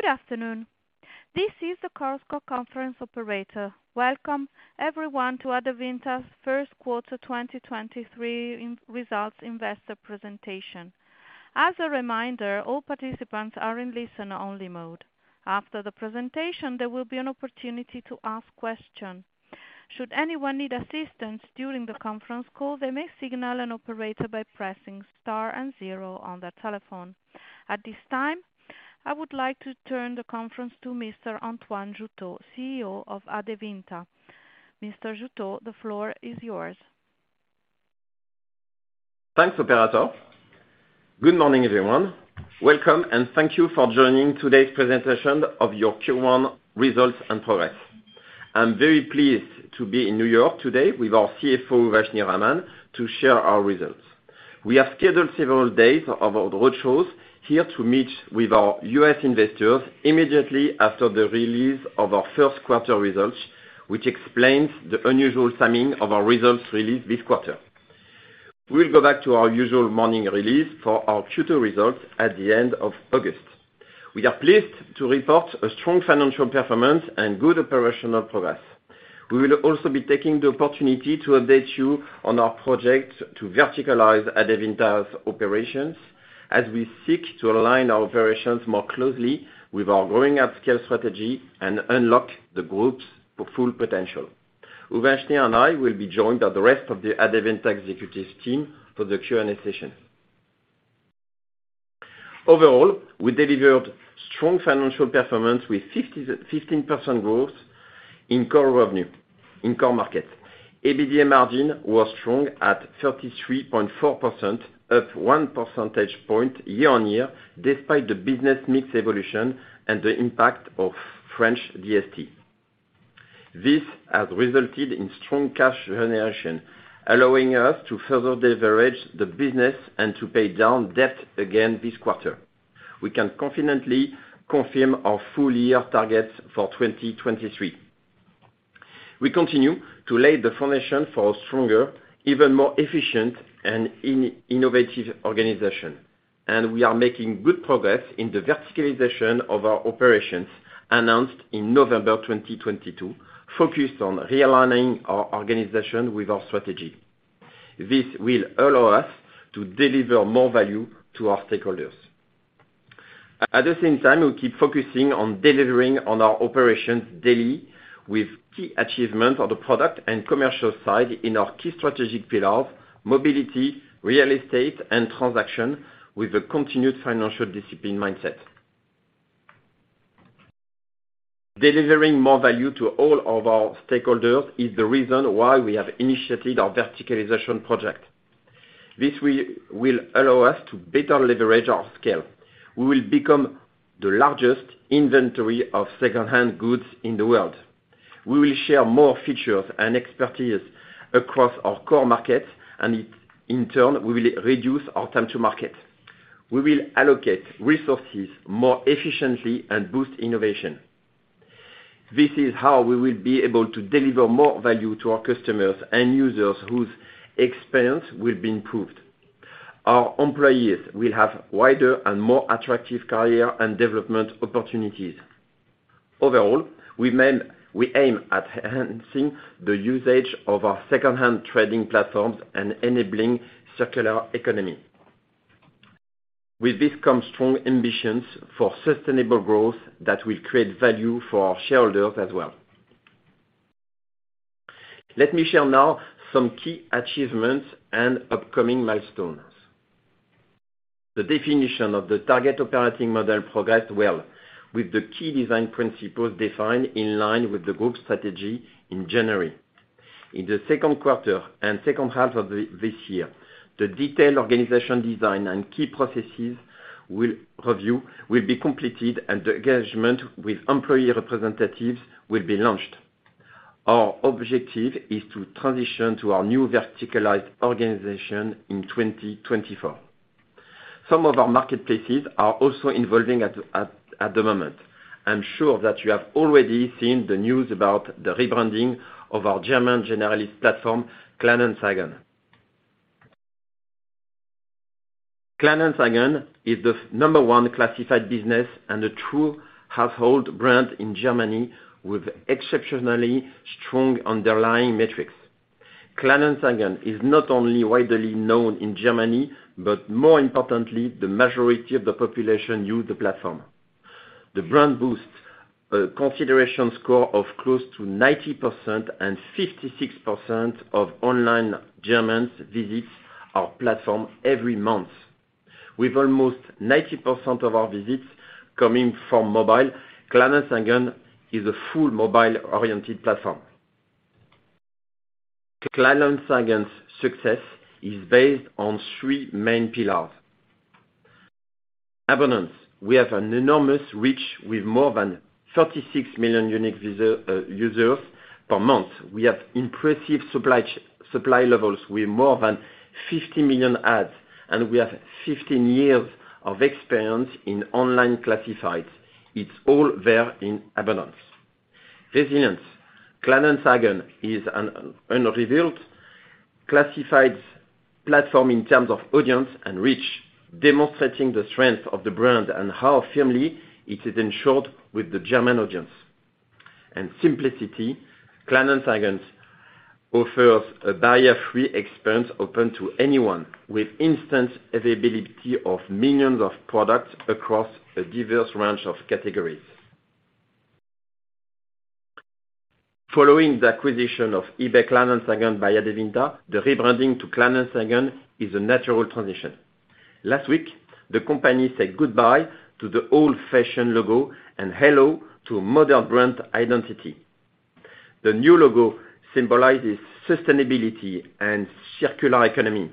Good afternoon. This is the Chorus Call conference operator. Welcome, everyone, to Adevinta's first quarter 2023 results investor presentation. As a reminder, all participants are in listen-only mode. After the presentation, there will be an opportunity to ask questions. Should anyone need assistance during the conference call, they may signal an operator by pressing Star and Zero on their telephone. At this time, I would like to turn the conference to Mr. Antoine Jouteau, CEO of Adevinta. Mr. Jouteau, the floor is yours. Thanks, operator. Good morning, everyone. Welcome, and thank you for joining today's presentation of your Q1 results and progress. I'm very pleased to be in New York today with our CFO, Uvashni Raman, to share our results. We have scheduled several days of our roadshows here to meet with our U.S. investors immediately after the release of our first quarter results, which explains the unusual timing of our results released this quarter. We'll go back to our usual morning release for our Q2 results at the end of August. We are pleased to report a strong financial performance and good operational progress. We will also be taking the opportunity to update you on our project to verticalize Adevinta's operations as we seek to align our operations more closely with our growing at scale strategy and unlock the group's full potential. Uvashni and I will be joined by the rest of the Adevinta executive team for the Q&A session. Overall, we delivered strong financial performance with 15% growth in core revenue in core markets. EBITDA margin was strong at 33.4%, up 1 percentage point year-on-year, despite the business mix evolution and the impact of French DST. This has resulted in strong cash generation, allowing us to further leverage the business and to pay down debt again this quarter. We can confidently confirm our full-year targets for 2023. We continue to lay the foundation for a stronger, even more efficient, and innovative organization, and we are making good progress in the verticalization of our operations announced in November 2022, focused on realigning our organization with our strategy. This will allow us to deliver more value to our stakeholders. At the same time, we keep focusing on delivering on our operations daily with key achievements on the product and commercial side in our key strategic pillars: mobility, real estate, and transaction, with a continued financial discipline mindset. Delivering more value to all of our stakeholders is the reason why we have initiated our verticalization project. This will allow us to better leverage our scale. We will become the largest inventory of secondhand goods in the world. We will share more features and expertise across our core markets, and in turn, we will reduce our time to market. We will allocate resources more efficiently and boost innovation. This is how we will be able to deliver more value to our customers and users whose experience will be improved. Our employees will have wider and more attractive career and development opportunities. Overall, we aim at enhancing the usage of our secondhand trading platforms and enabling circular economy. With this comes strong ambitions for sustainable growth that will create value for our shareholders as well. Let me share now some key achievements and upcoming milestones. The definition of the target operating model progressed well with the key design principles defined in line with the group's strategy in January. In the second quarter and second half of this year, the detailed organization design and key processes will be completed, and the engagement with employee representatives will be launched. Our objective is to transition to our new verticalized organization in 2024. Some of our marketplaces are also involving at the moment. I'm sure that you have already seen the news about the rebranding of our German generalist platform, Kleinanzeigen. Kleinanzeigen is the number-one classified business and a true household brand in Germany with exceptionally strong underlying metrics. Kleinanzeigen is not only widely known in Germany, but more importantly, the majority of the population use the platform. The brand boosts a consideration score of close to 90% and 56% of online Germans visits our platform every month. With almost 90% of our visits coming from mobile, Kleinanzeigen is a full mobile-oriented platform. Kleinanzeigen's success is based on three main pillars. Abundance. We have an enormous reach with more than 36 million unique users per month. We have impressive supply levels with more than 50 million ads, and we have 15 years of experience in online classifieds. It's all there in abundance. Resilience. Kleinanzeigen is an unrevealed classified platform in terms of audience and reach, demonstrating the strength of the brand and how firmly it is ensured with the German audience. Simplicity, Kleinanzeigen offers a barrier-free experience open to anyone with instant availability of millions of products across a diverse range of categories. Following the acquisition of eBay Kleinanzeigen by Adevinta, the rebranding to Kleinanzeigen is a natural transition. Last week, the company said goodbye to the old-fashioned logo and hello to a modern brand identity. The new logo symbolizes sustainability and circular economy.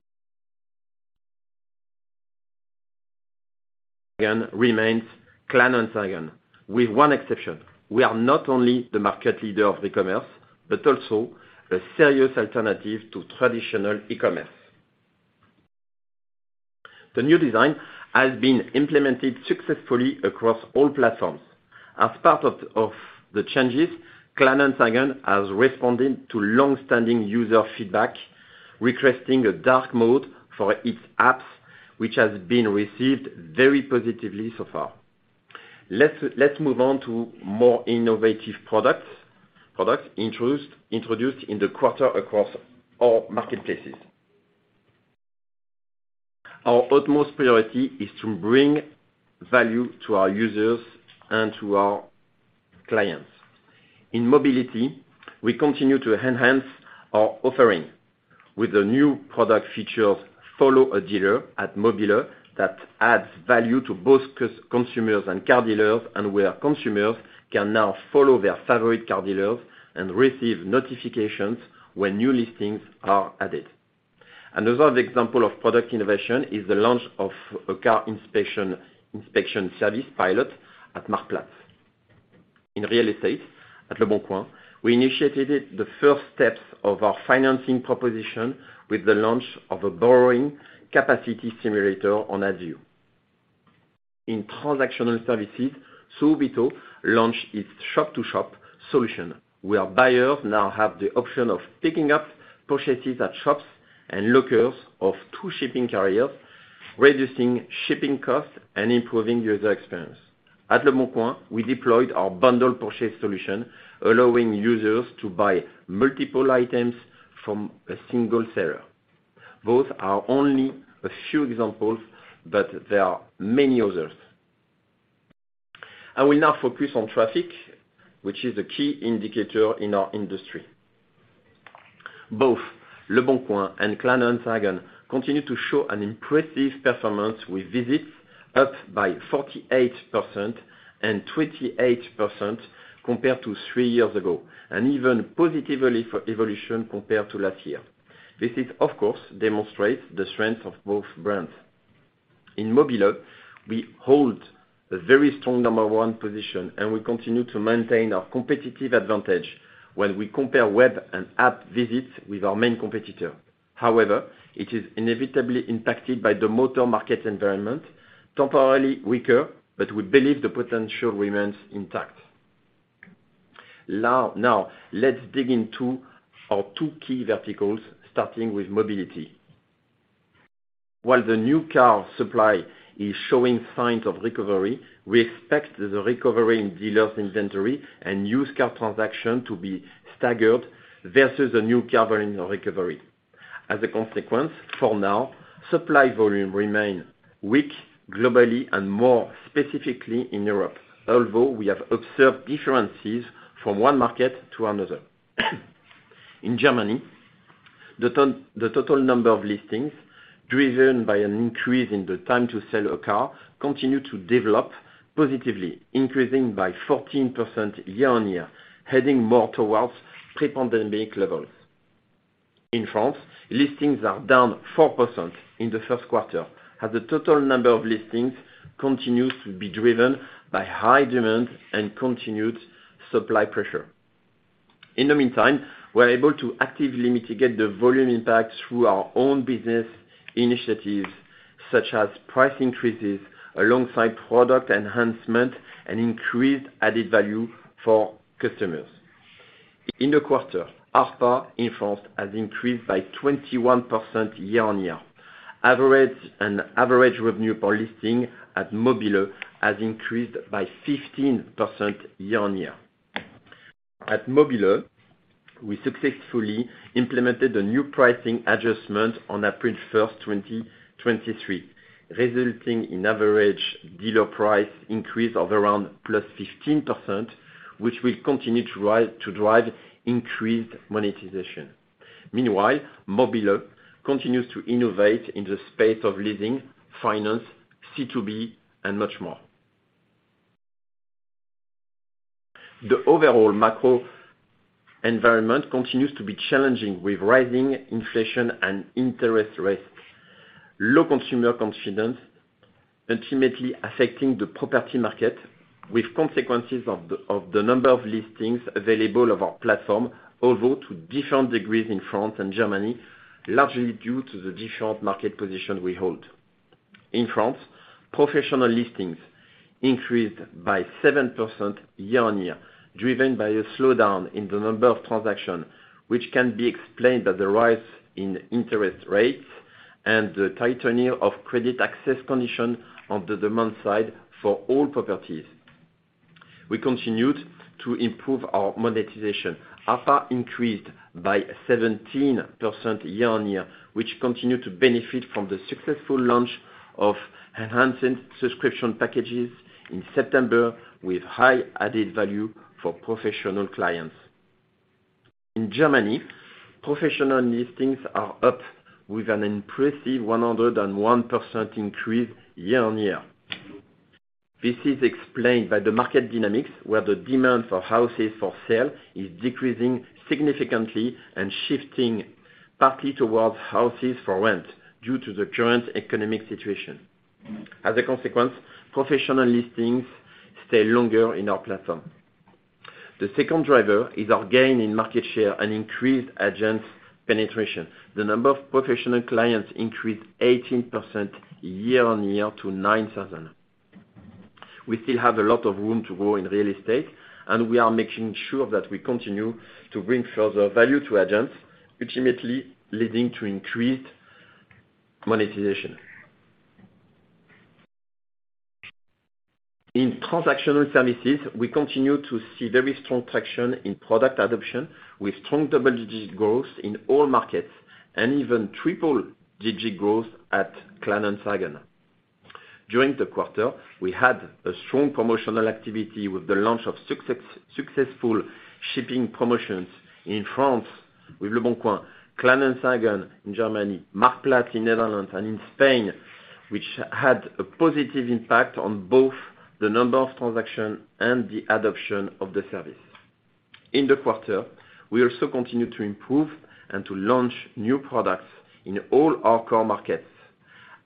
Remains Kleinanzeigen with one exception. We are not only the market leader of e-commerce, but also a serious alternative to traditional e-commerce. The new design has been implemented successfully across all platforms. As part of the changes, Kleinanzeigen has responded to long-standing user feedback, requesting a dark mode for its apps, which has been received very positively so far. Let's move on to more innovative products introduced in the quarter across all marketplaces. Our utmost priority is to bring value to our users and to our clients. In mobility, we continue to enhance our offering with the new product features, Follow a Dealer at mobile.de that adds value to both consumers and car dealers, and where consumers can now follow their favorite car dealers and receive notifications when new listings are added. Another example of product innovation is the launch of a car inspection service pilot at Marktplaats. In real estate, at leboncoin, we initiated it the first steps of our financing proposition with the launch of a borrowing capacity simulator on Adiu. In transactional services, Subito launched its shop-to-shop solution, where buyers now have the option of picking up purchases at shops and lockers of two shipping carriers, reducing shipping costs and improving user experience. At leboncoin, we deployed our bundle purchase solution, allowing users to buy multiple items from a single seller. Those are only a few examples, but there are many others. I will now focus on traffic, which is a key indicator in our industry. Both leboncoin and Kleinanzeigen continue to show an impressive performance with visits up by 48% and 28% compared to three years ago, and even positively for evolution compared to last year. This is, of course, demonstrates the strength of both brands. In mobile.de, we hold a very strong number one position, and we continue to maintain our competitive advantage when we compare web and app visits with our main competitor. However, it is inevitably impacted by the motor market environment, temporarily weaker, but we believe the potential remains intact. Now, let's dig into our two key verticals, starting with Adevinta Mobility. While the new car supply is showing signs of recovery, we expect the recovery in dealers' inventory and used car transaction to be staggered versus the new car volume recovery. As a consequence, for now, supply volume remain weak globally and more specifically in Europe, although we have observed differences from one market to another. In Germany, the total number of listings, driven by an increase in the time to sell a car continue to develop positively, increasing by 14% year-on-year, heading more towards pre-pandemic levels. In France, listings are down 4% in the first quarter, as the total number of listings continues to be driven by high demand and continued supply pressure. In the meantime, we're able to actively mitigate the volume impact through our own business initiatives, such as price increases alongside product enhancement and increased added value for customers. In the quarter, ARPA in France has increased by 21% year-on-year. Average revenue per listing at mobile.de has increased by 15% year-on-year. At mobile.de, we successfully implemented a new pricing adjustment on April 1, 2023, resulting in average dealer price increase of around +15%, which will continue to drive increased monetization. Meanwhile, mobile.de continues to innovate in the space of leasing, finance, C2B, and much more. The overall macro environment continues to be challenging with rising inflation and interest rates, low consumer confidence ultimately affecting the property market with consequences of the number of listings available of our platform although to different degrees in France and Germany, largely due to the different market position we hold. In France, professional listings increased by 7% year-on-year, driven by a slowdown in the number of transactions, which can be explained by the rise in interest rates and the tightening of credit access condition on the demand side for all properties. We continued to improve our monetization. ARPA increased by 17% year-on-year, which continued to benefit from the successful launch of enhanced subscription packages in September with high added value for professional clients. In Germany, professional listings are up with an impressive 101% increase year-on-year. This is explained by the market dynamics, where the demand for houses for sale is decreasing significantly and shifting partly towards houses for rent due to the current economic situation. A consequence, professional listings stay longer in our platform. The second driver is our gain in market share and increased agents penetration. The number of professional clients increased 18% year-over-year to 9,000. We still have a lot of room to grow in real estate, and we are making sure that we continue to bring further value to agents, ultimately leading to increased monetization. In transactional services, we continue to see very strong traction in product adoption, with strong double-digit growth in all markets and even triple-digit growth at Kleinanzeigen. During the quarter, we had a strong promotional activity with the launch of successful shipping promotions in France with leboncoin, Kleinanzeigen in Germany, Marktplaats in Netherlands and in Spain, which had a positive impact on both the number of transactions and the adoption of the service. In the quarter, we also continued to improve and to launch new products in all our core markets.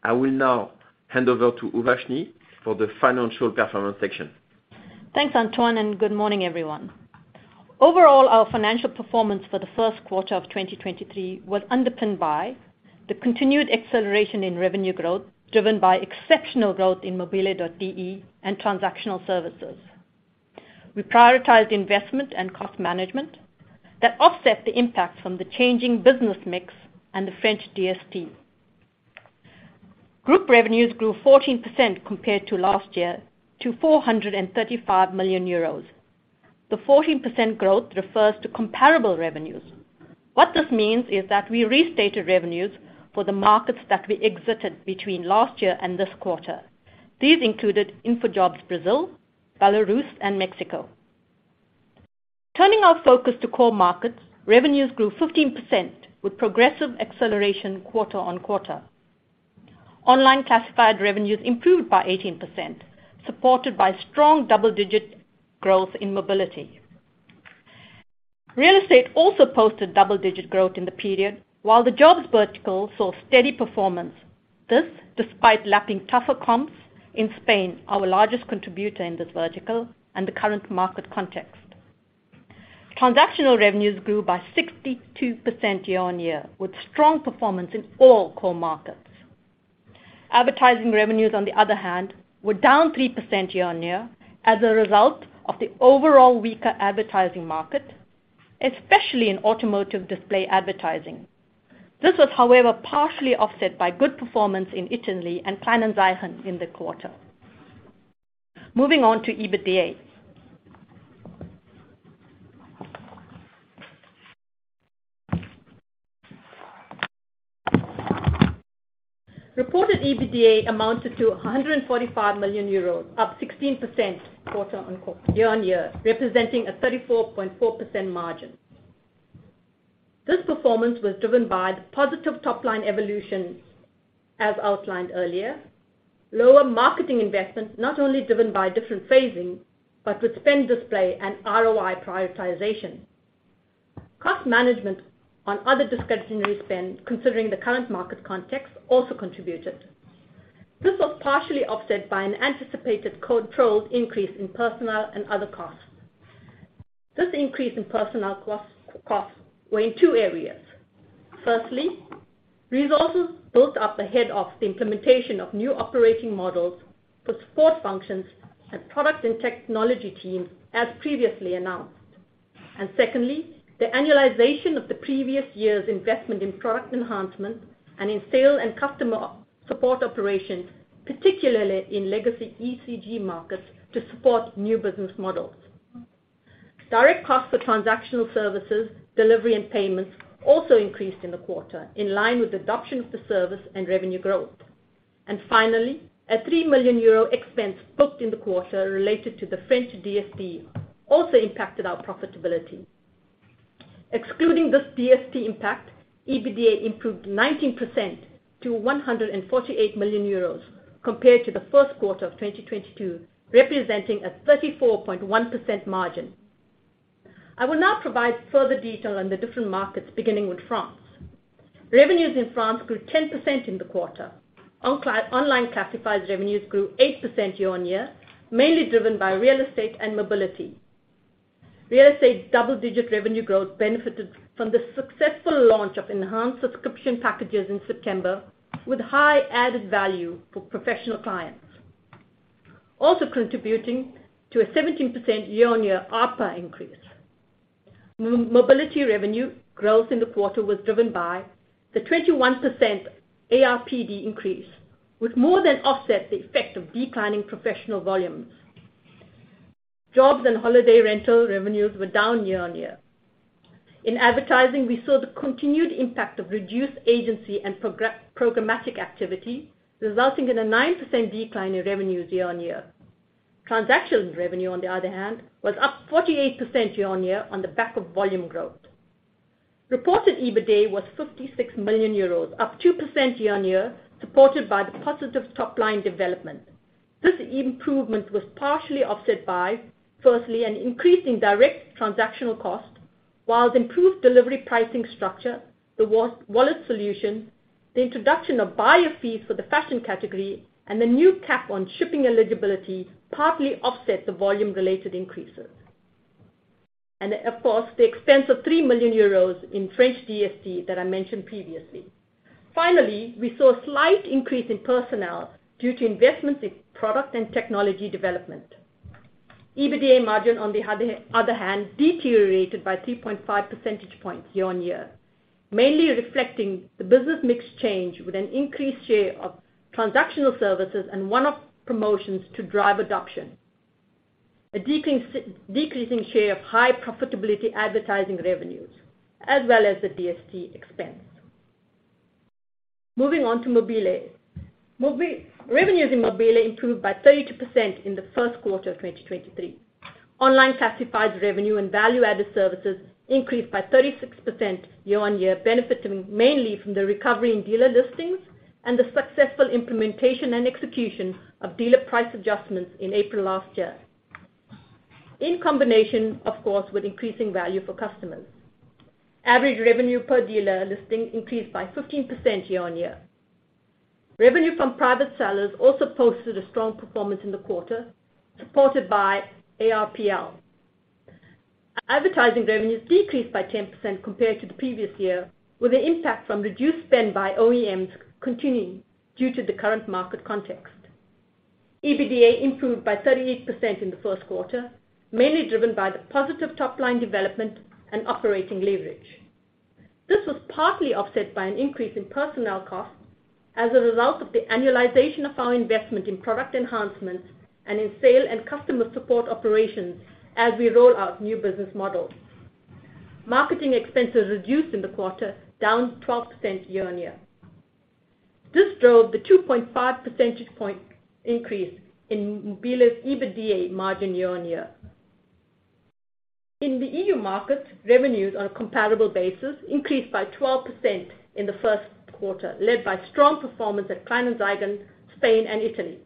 I will now hand over to Uvashni for the financial performance section. Thanks, Antoine, good morning, everyone. Overall, our financial performance for the first quarter of 2023 was underpinned by the continued acceleration in revenue growth, driven by exceptional growth in mobile.de and transactional services. We prioritized investment and cost management that offset the impact from the changing business mix and the French DST. Group revenues grew 14% compared to last year to 435 million euros. The 14% growth refers to comparable revenues. What this means is that we restated revenues for the markets that we exited between last year and this quarter. These included InfoJobs Brazil, Belarus, and Mexico. Turning our focus to core markets, revenues grew 15% with progressive acceleration quarter-on-quarter. Online classified revenues improved by 18%, supported by strong double-digit growth in mobility. Real estate also posted double-digit growth in the period, while the jobs vertical saw steady performance. This despite lapping tougher comps in Spain, our largest contributor in this vertical and the current market context. Transactional revenues grew by 62% year-on-year, with strong performance in all core markets. Advertising revenues, on the other hand, were down 3% year-on-year as a result of the overall weaker advertising market, especially in automotive display advertising. This was, however, partially offset by good performance in Italy and Kleinanzeigen in the quarter. Moving on to EBITDA. Reported EBITDA amounted to 145 million euros, up 16% year-on-year, representing a 34.4% margin. This performance was driven by the positive top-line evolution, as outlined earlier. Lower marketing investments, not only driven by different phasing, but with spend discipline and ROI prioritization. Cost management on other discretionary spend, considering the current market context, also contributed. This was partially offset by an anticipated controlled increase in personnel and other costs. This increase in personnel costs were in two areas. Firstly, resources built up ahead of the implementation of new operating models for support functions and product and technology teams, as previously announced. Secondly, the annualization of the previous year's investment in product enhancement and in sale and customer support operations, particularly in legacy eCG markets, to support new business models. Direct costs for transactional services, delivery, and payments also increased in the quarter, in line with adoption of the service and revenue growth. Finally, a 3 million euro expense booked in the quarter related to the French DST also impacted our profitability. Excluding this DST impact, EBITDA improved 19% to 148 million euros compared to the first quarter of 2022, representing a 34.1% margin. I will now provide further detail on the different markets, beginning with France. Revenues in France grew 10% in the quarter. Online classified revenues grew 8% year-on-year, mainly driven by real estate and mobility. Real estate double-digit revenue growth benefited from the successful launch of enhanced subscription packages in September, with high added value for professional clients. Contributing to a 17% year-on-year ARPA increase. Mobility revenue growth in the quarter was driven by the 21% ARPD increase, which more than offset the effect of declining professional volumes. Jobs and holiday rental revenues were down year-on-year. In advertising, we saw the continued impact of reduced agency and programmatic activity, resulting in a 9% decline in revenues year-on-year. Transaction revenue, on the other hand, was up 48% year-on-year on the back of volume growth. Reported EBITDA was 56 million euros, up 2% year-on-year, supported by the positive top-line development. This improvement was partially offset by, firstly, an increase in direct transactional costs, while improved delivery pricing structure, the wallet solution, the introduction of buyer fees for the fashion category, and the new cap on shipping eligibility partly offset the volume-related increases. Of course, the expense of 3 million euros in French DST that I mentioned previously. Finally, we saw a slight increase in personnel due to investments in product and technology development. EBITDA margin, on the other hand, deteriorated by 3.5 percentage points year-on-year, mainly reflecting the business mix change with an increased share of transactional services and one-off promotions to drive adoption, a decreasing share of high profitability advertising revenues, as well as the DST expense. Moving on to Mobile. Revenues in Mobile improved by 32% in the first quarter of 2023. Online classifieds revenue and value-added services increased by 36% year-on-year, benefiting mainly from the recovery in dealer listings and the successful implementation and execution of dealer price adjustments in April last year, in combination, of course, with increasing value for customers. Average revenue per dealer listing increased by 15% year-on-year. Revenue from private sellers also posted a strong performance in the quarter, supported by ARPL. Advertising revenues decreased by 10% compared to the previous year, with the impact from reduced spend by OEMs continuing due to the current market context. EBITDA improved by 38% in the first quarter, mainly driven by the positive top-line development and operating leverage. This was partly offset by an increase in personnel costs as a result of the annualization of our investment in product enhancements and in sale and customer support operations as we roll out new business models. Marketing expenses reduced in the quarter, down 12% year-on-year. This drove the 2.5 percentage point increase in Mobile's EBITDA margin year-on-year. In the EU markets, revenues on a comparable basis increased by 12% in the first quarter, led by strong performance at Kleinanzeigen, Spain and Italy.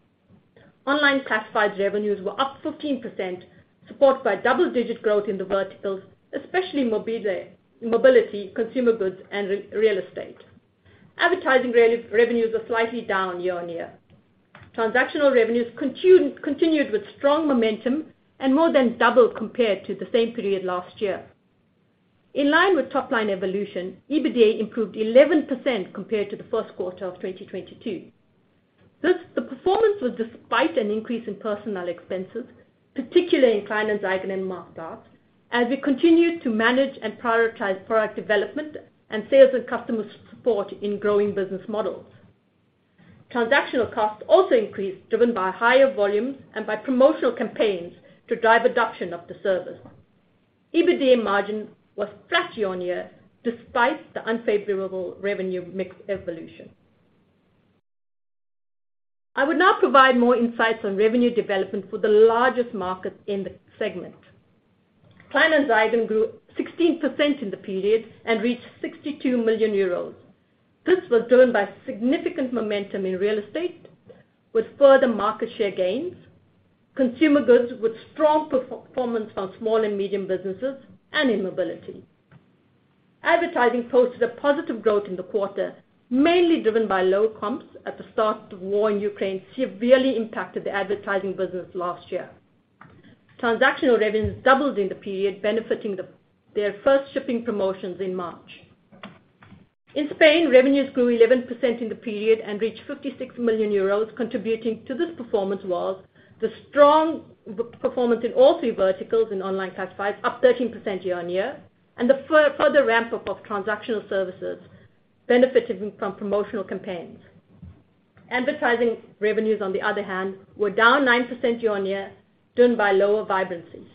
Online classified revenues were up 15%, supported by double-digit growth in the verticals, especially Mobile, Mobility, Consumer Goods and Real Estate. Advertising revenues are slightly down year-on-year. Transactional revenues continued with strong momentum and more than doubled compared to the same period last year. In line with top line evolution, EBITDA improved 11% compared to the first quarter of 2022. The performance was despite an increase in personnel expenses, particularly in Kleinanzeigen and Marktplaats, as we continued to manage and prioritize product development and sales and customer support in growing business models. Transactional costs also increased, driven by higher volumes and by promotional campaigns to drive adoption of the service. EBITDA margin was flat year-on-year, despite the unfavorable revenue mix evolution. I would now provide more insights on revenue development for the largest market in the segment. Kleinanzeigen grew 16% in the period and reached 62 million euros. This was driven by significant momentum in real estate with further market share gains, consumer goods with strong performance from small and medium businesses, and in mobility. Advertising posted a positive growth in the quarter, mainly driven by low comps at the start of the war in Ukraine severely impacted the advertising business last year. Transactional revenues doubled in the period, benefiting their first shipping promotions in March. In Spain, revenues grew 11% in the period and reached 56 million euros. Contributing to this performance was the strong performance in all three verticals in online classifieds, up 13% year-on-year, and the further ramp-up of transactional services benefiting from promotional campaigns. Advertising revenues, on the other hand, were down 9% year-on-year, driven by lower vibrancies.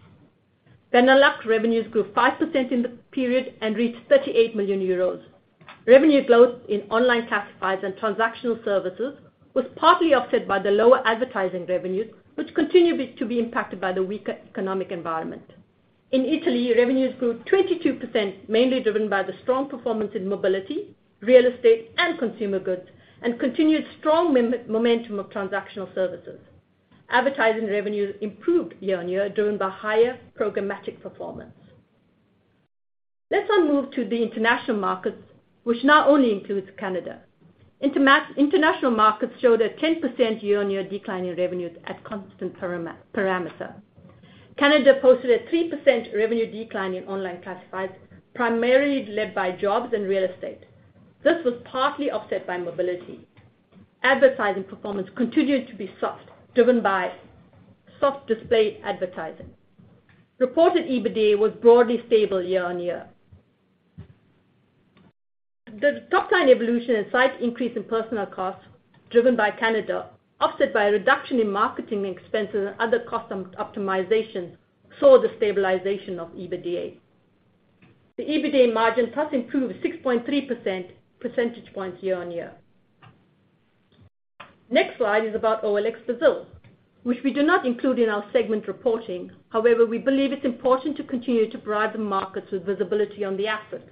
Benelux revenues grew 5% in the period and reached 38 million euros. Revenue growth in online classifieds and transactional services was partly offset by the lower advertising revenues, which continue to be impacted by the weaker economic environment. In Italy, revenues grew 22%, mainly driven by the strong performance in mobility, real estate, and consumer goods, and continued strong momentum of transactional services. Advertising revenues improved year-on-year, driven by higher programmatic performance. Let's now move to the international markets, which now only includes Canada. International markets showed a 10% year-on-year decline in revenues at constant parameter. Canada posted a 3% revenue decline in online classifieds, primarily led by jobs and real estate. This was partly offset by mobility. Advertising performance continued to be soft, driven by soft display advertising. Reported EBITDA was broadly stable year-on-year. The top line evolution and slight increase in personnel costs driven by Canada, offset by a reduction in marketing expenses and other cost optimization, saw the stabilization of EBITDA. The EBITDA margin improved 6.3 percentage points year-on-year. Next slide is about OLX Brasil, which we do not include in our segment reporting. We believe it's important to continue to provide the markets with visibility on the asset.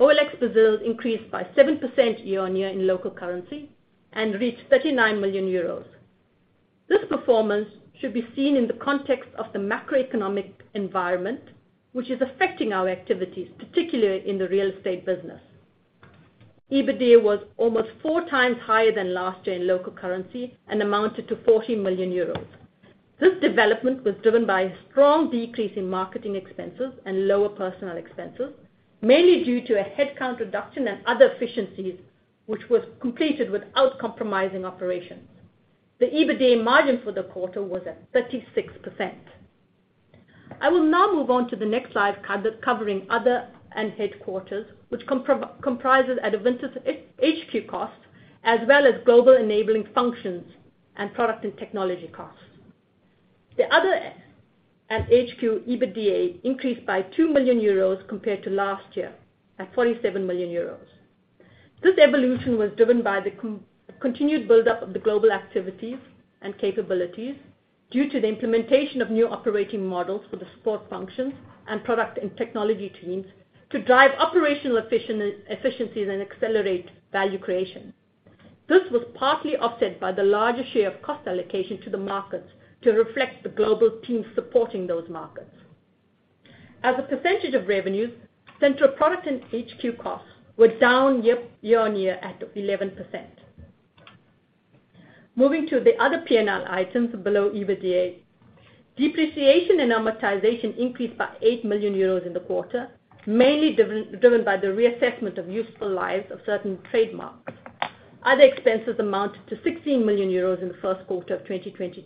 OLX Brasil increased by 7% year-on-year in local currency and reached 39 million euros. This performance should be seen in the context of the macroeconomic environment, which is affecting our activities, particularly in the real estate business. EBITDA was almost four times higher than last year in local currency and amounted to 40 million euros. This development was driven by a strong decrease in marketing expenses and lower personal expenses, mainly due to a headcount reduction and other efficiencies, which was completed without compromising operations. The EBITDA margin for the quarter was at 36%. I will now move on to the next slide covering other and headquarters, which comprises Adevinta's HQ costs, as well as global enabling functions and product and technology costs. The other at HQ, EBITDA increased by 2 million euros compared to last year at 47 million euros. This evolution was driven by the continued buildup of the global activities and capabilities due to the implementation of new operating models for the support functions and product and technology teams to drive operational efficiency and accelerate value creation. This was partly offset by the larger share of cost allocation to the markets to reflect the global teams supporting those markets. As a percentage of revenues, central product and HQ costs were down year-on-year at 11%. Moving to the other P&L items below EBITDA. Depreciation and amortization increased by 8 million euros in the quarter, mainly driven by the reassessment of useful lives of certain trademarks. Other expenses amounted to 16 million euros in the first quarter of 2023,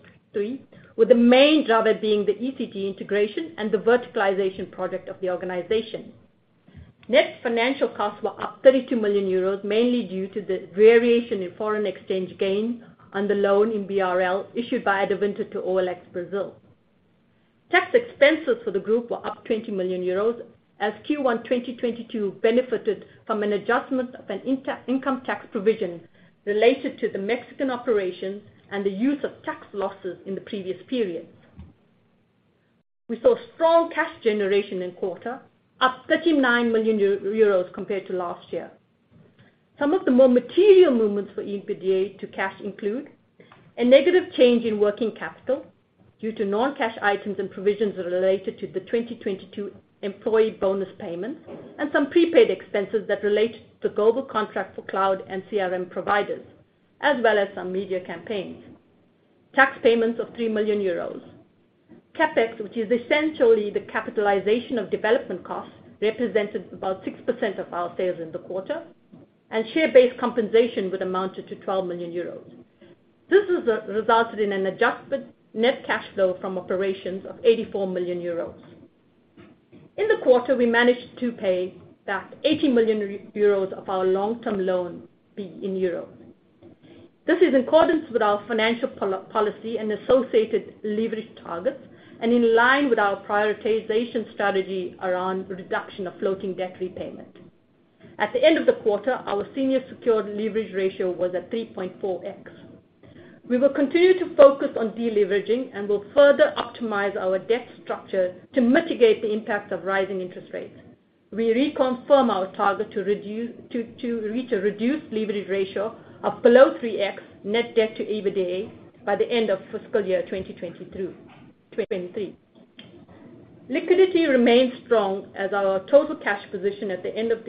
with the main driver being the eCG integration and the verticalization product of the organization. Net financial costs were up 32 million euros, mainly due to the variation in foreign exchange gains on the loan in BRL issued by Adevinta to OLX Brasil. Tax expenses for the group were up 20 million euros as Q1 2022 benefited from an adjustment of an income tax provision related to the Mexican operations and the use of tax losses in the previous periods. We saw strong cash generation in quarter, up 39 million euros compared to last year. Some of the more material movements for EBITDA to cash include a negative change in working capital due to non-cash items and provisions related to the 2022 employee bonus payments and some prepaid expenses that relate to global contracts for cloud and CRM providers, as well as some media campaigns. Tax payments of 3 million euros. CapEx, which is essentially the capitalization of development costs, represented about 6% of our sales in the quarter, and share-based compensation amounted to 12 million euros. This has resulted in an adjusted net cash flow from operations of 84 million euros. In the quarter, we managed to pay back 80 million euros of our long-term loan in euros. This is in accordance with our financial policy and associated leverage targets. In line with our prioritization strategy around reduction of floating debt repayment, at the end of the quarter, our senior secured leverage ratio was at 3.4x. We will continue to focus on deleveraging and will further optimize our debt structure to mitigate the impacts of rising interest rates. We reconfirm our target to reach a reduced leverage ratio of below 3x net debt to EBITDA by the end of fiscal year 2023. Liquidity remains strong as our total cash position at the end of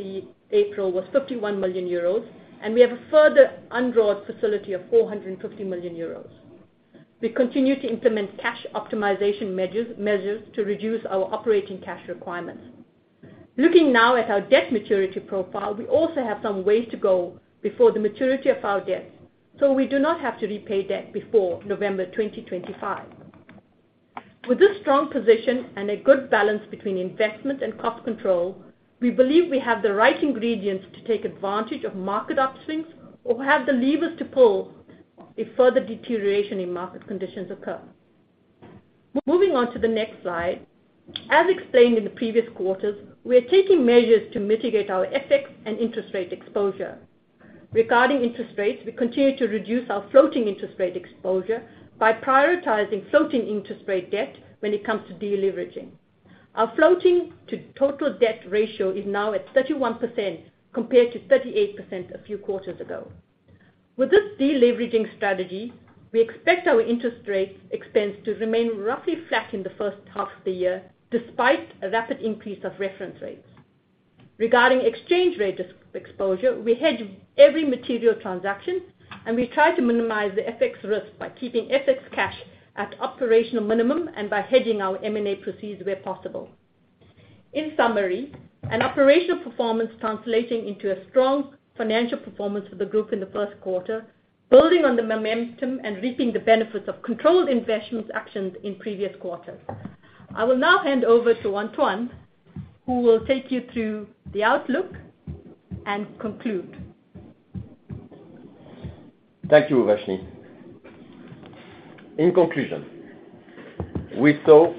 April was 51 million euros. We have a further undrawn facility of 450 million euros. We continue to implement cash optimization measures to reduce our operating cash requirements. Looking now at our debt maturity profile, we also have some way to go before the maturity of our debts. We do not have to repay debt before November 2025. With this strong position and a good balance between investment and cost control, we believe we have the right ingredients to take advantage of market upswings or have the levers to pull if further deterioration in market conditions occur. Moving on to the next slide. As explained in the previous quarters, we are taking measures to mitigate our FX and interest rate exposure. Regarding interest rates, we continue to reduce our floating interest rate exposure by prioritizing floating interest rate debt when it comes to deleveraging. Our floating to total debt ratio is now at 31%, compared to 38% a few quarters ago. With this deleveraging strategy, we expect our interest rate expense to remain roughly flat in the first half of the year, despite a rapid increase of reference rates. Regarding exchange rate exposure, we hedge every material transaction, and we try to minimize the FX risk by keeping FX cash at operational minimum and by hedging our M&A proceeds where possible. In summary, an operational performance translating into a strong financial performance for the group in the first quarter, building on the momentum and reaping the benefits of controlled investments actions in previous quarters. I will now hand over to Antoine, who will take you through the outlook and conclude. Thank you, Uvashni. In conclusion, we saw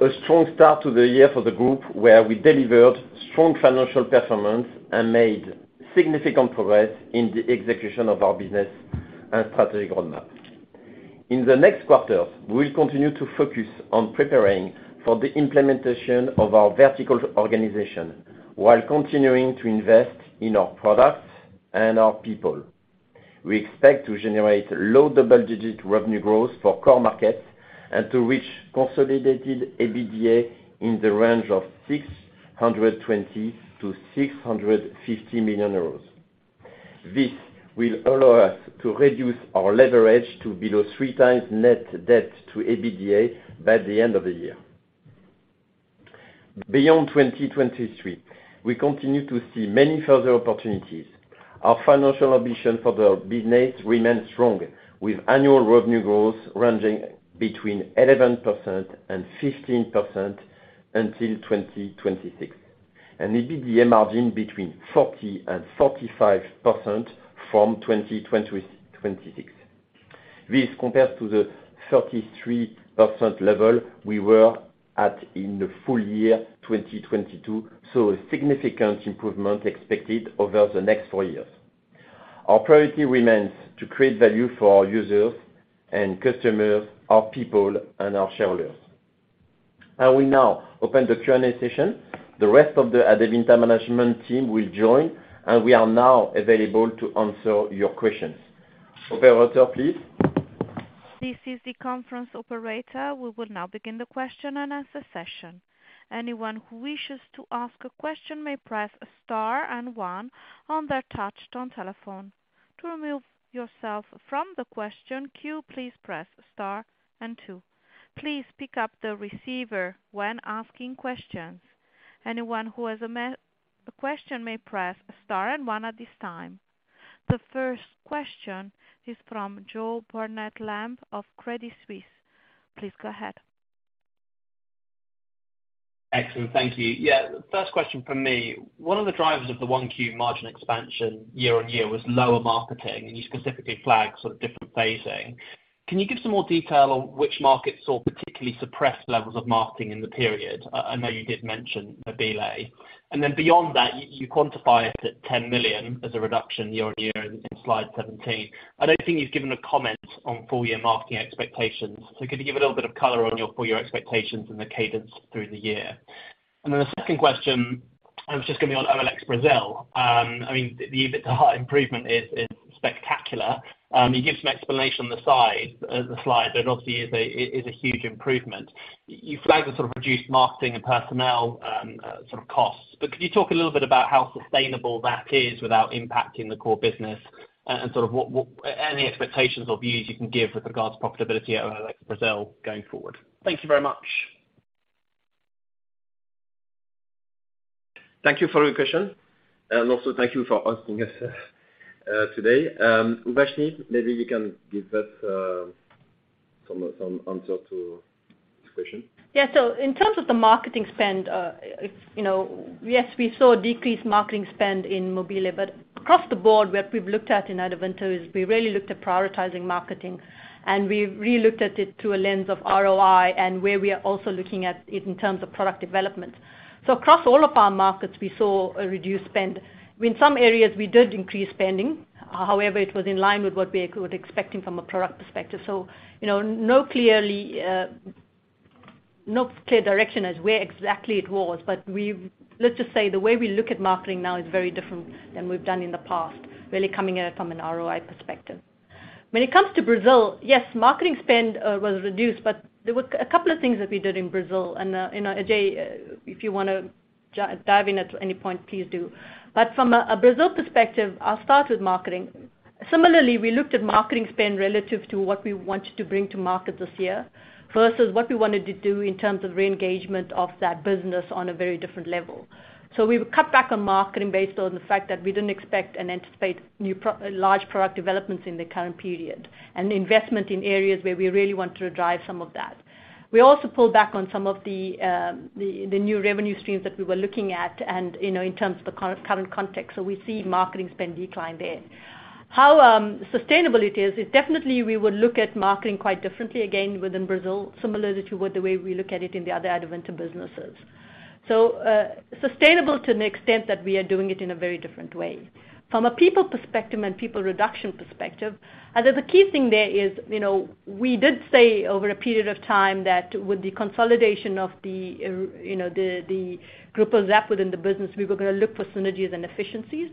a strong start to the year for the group where we delivered strong financial performance and made significant progress in the execution of our business and strategic roadmap. In the next quarters, we'll continue to focus on preparing for the implementation of our vertical organization while continuing to invest in our products and our people. We expect to generate low double-digit revenue growth for core markets and to reach consolidated EBITDA in the range of 620 million-650 million euros. This will allow us to reduce our leverage to below 3 times net debt to EBITDA by the end of the year. Beyond 2023, we continue to see many further opportunities. Our financial ambition for the business remains strong, with annual revenue growth ranging between 11% and 15% until 2026, and EBITDA margin between 40% and 45% from 2026. This compares to the 33% level we were at in the full year 2022. A significant improvement expected over the next four years. Our priority remains to create value for our users and customers, our people, and our shareholders. I will now open the Q&A session. The rest of the Adevinta management team will join, and we are now available to answer your questions. Operator, please. This is the conference operator. We will now begin the question-and-answer session. Anyone who wishes to ask a question may press star and one on their touch-tone telephone. To remove yourself from the question queue, please press star and two. Please pick up the receiver when asking questions. Anyone who has a question may press star and one at this time. The first question is from Joseph Barnet-Lamb of Credit Suisse. Please go ahead. Excellent. Thank you. Yeah, first question from me. One of the drivers of the 1Q margin expansion year-on-year was lower marketing, and you specifically flagged sort of different phasing. Can you give some more detail on which markets saw particularly suppressed levels of marketing in the period? I know you did mention mobile.de. Beyond that, you quantify it at 10 million as a reduction year-on-year in slide 17. I don't think you've given a comment on full year marketing expectations. Could you give a little bit of color on your full year expectations and the cadence through the year? The second question is just gonna be on OLX Brasil. I mean, the EBITDA improvement is spectacular. You give some explanation on the side, the slide, but obviously is a huge improvement. You flag the sort of reduced marketing and personnel, sort of costs. Could you talk a little bit about how sustainable that is without impacting the core business and sort of what, any expectations or views you can give with regards to profitability at OLX Brasil going forward? Thank you very much. Thank you for your question, and also thank you for asking us today. Uvashni, maybe you can give us some answer to this question. Yeah. In terms of the marketing spend, you know, yes, we saw decreased marketing spend in mobile.de. Across the board, where we looked at in Adevinta is we really looked at prioritizing marketing, and we relooked at it through a lens of ROI and where we are also looking at it in terms of product development. Across all of our markets, we saw a reduced spend. In some areas, we did increase spending. However, it was in line with what we were expecting from a product perspective. You know, no clearly, no clear direction as where exactly it was. Let's just say the way we look at marketing now is very different than we've done in the past, really coming at it from an ROI perspective. When it comes to Brazil, yes, marketing spend was reduced, there were a couple of things that we did in Brazil. Ajay, if you wanna dive in at any point, please do. From a Brazil perspective, I'll start with marketing. Similarly, we looked at marketing spend relative to what we wanted to bring to market this year versus what we wanted to do in terms of re-engagement of that business on a very different level. We cut back on marketing based on the fact that we didn't expect and anticipate new large product developments in the current period and investment in areas where we really want to drive some of that. We also pulled back on some of the new revenue streams that we were looking at and, you know, in terms of the current context. We see marketing spend decline there. How sustainable it is, it definitely we would look at marketing quite differently again within Brazil, similarly to what the way we look at it in the other Adevinta businesses. Sustainable to an extent that we are doing it in a very different way. From a people perspective and people reduction perspective, there's a key thing there is, you know, we did say over a period of time that with the consolidation of the, you know, the Grupo ZAP within the business, we were gonna look for synergies and efficiencies.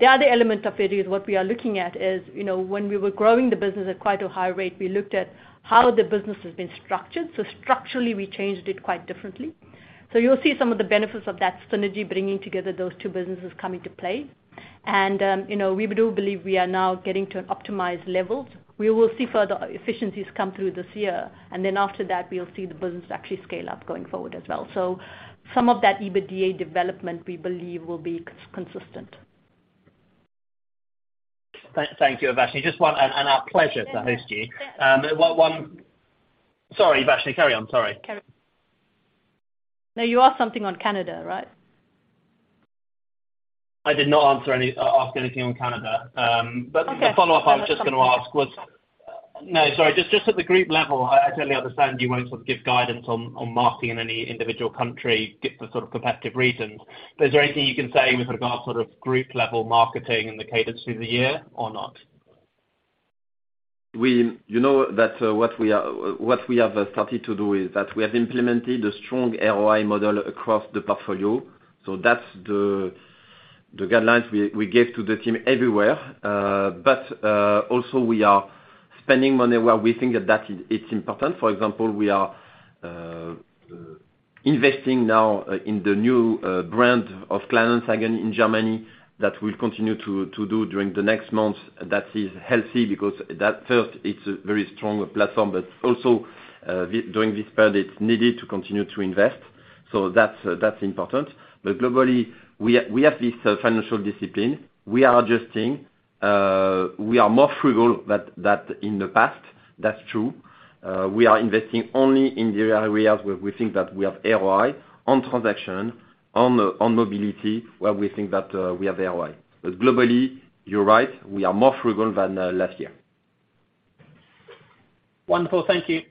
The other element of it is what we are looking at is, you know, when we were growing the business at quite a high rate, we looked at how the business has been structured. Structurally, we changed it quite differently. You'll see some of the benefits of that synergy bringing together those two businesses coming to play. You know, we do believe we are now getting to an optimized level. We will see further efficiencies come through this year, and then after that, we'll see the business actually scale up going forward as well. Some of that EBITDA development, we believe, will be consistent. Thank you, Uvashni. Our pleasure to host you. Sorry, Uvashni. Carry on. Sorry. You asked something on Canada, right? I did not ask anything on Canada. Okay. The follow-up I was just gonna ask was. No, sorry. Just at the group level, I totally understand you won't sort of give guidance on marketing in any individual country for sort of competitive reasons. Is there anything you can say with regard sort of group level marketing and the cadence through the year or not? You know that, what we are, what we have started to do is that we have implemented a strong ROI model across the portfolio. That's the guidelines we gave to the team everywhere. But also we are spending money where we think that it's important. For example, we are investing now in the new brand of Kleinanzeigen in Germany that we'll continue to do during the next months. That is healthy because that first, it's a very strong platform, but also, during this period, it's needed to continue to invest. That's important. Globally, we have this financial discipline. We are adjusting. We are more frugal than in the past. That's true. We are investing only in the areas where we think that we have ROI on transaction, on mobility, where we think that we have ROI. Globally, you're right, we are more frugal than last year. Wonderful. Thank you.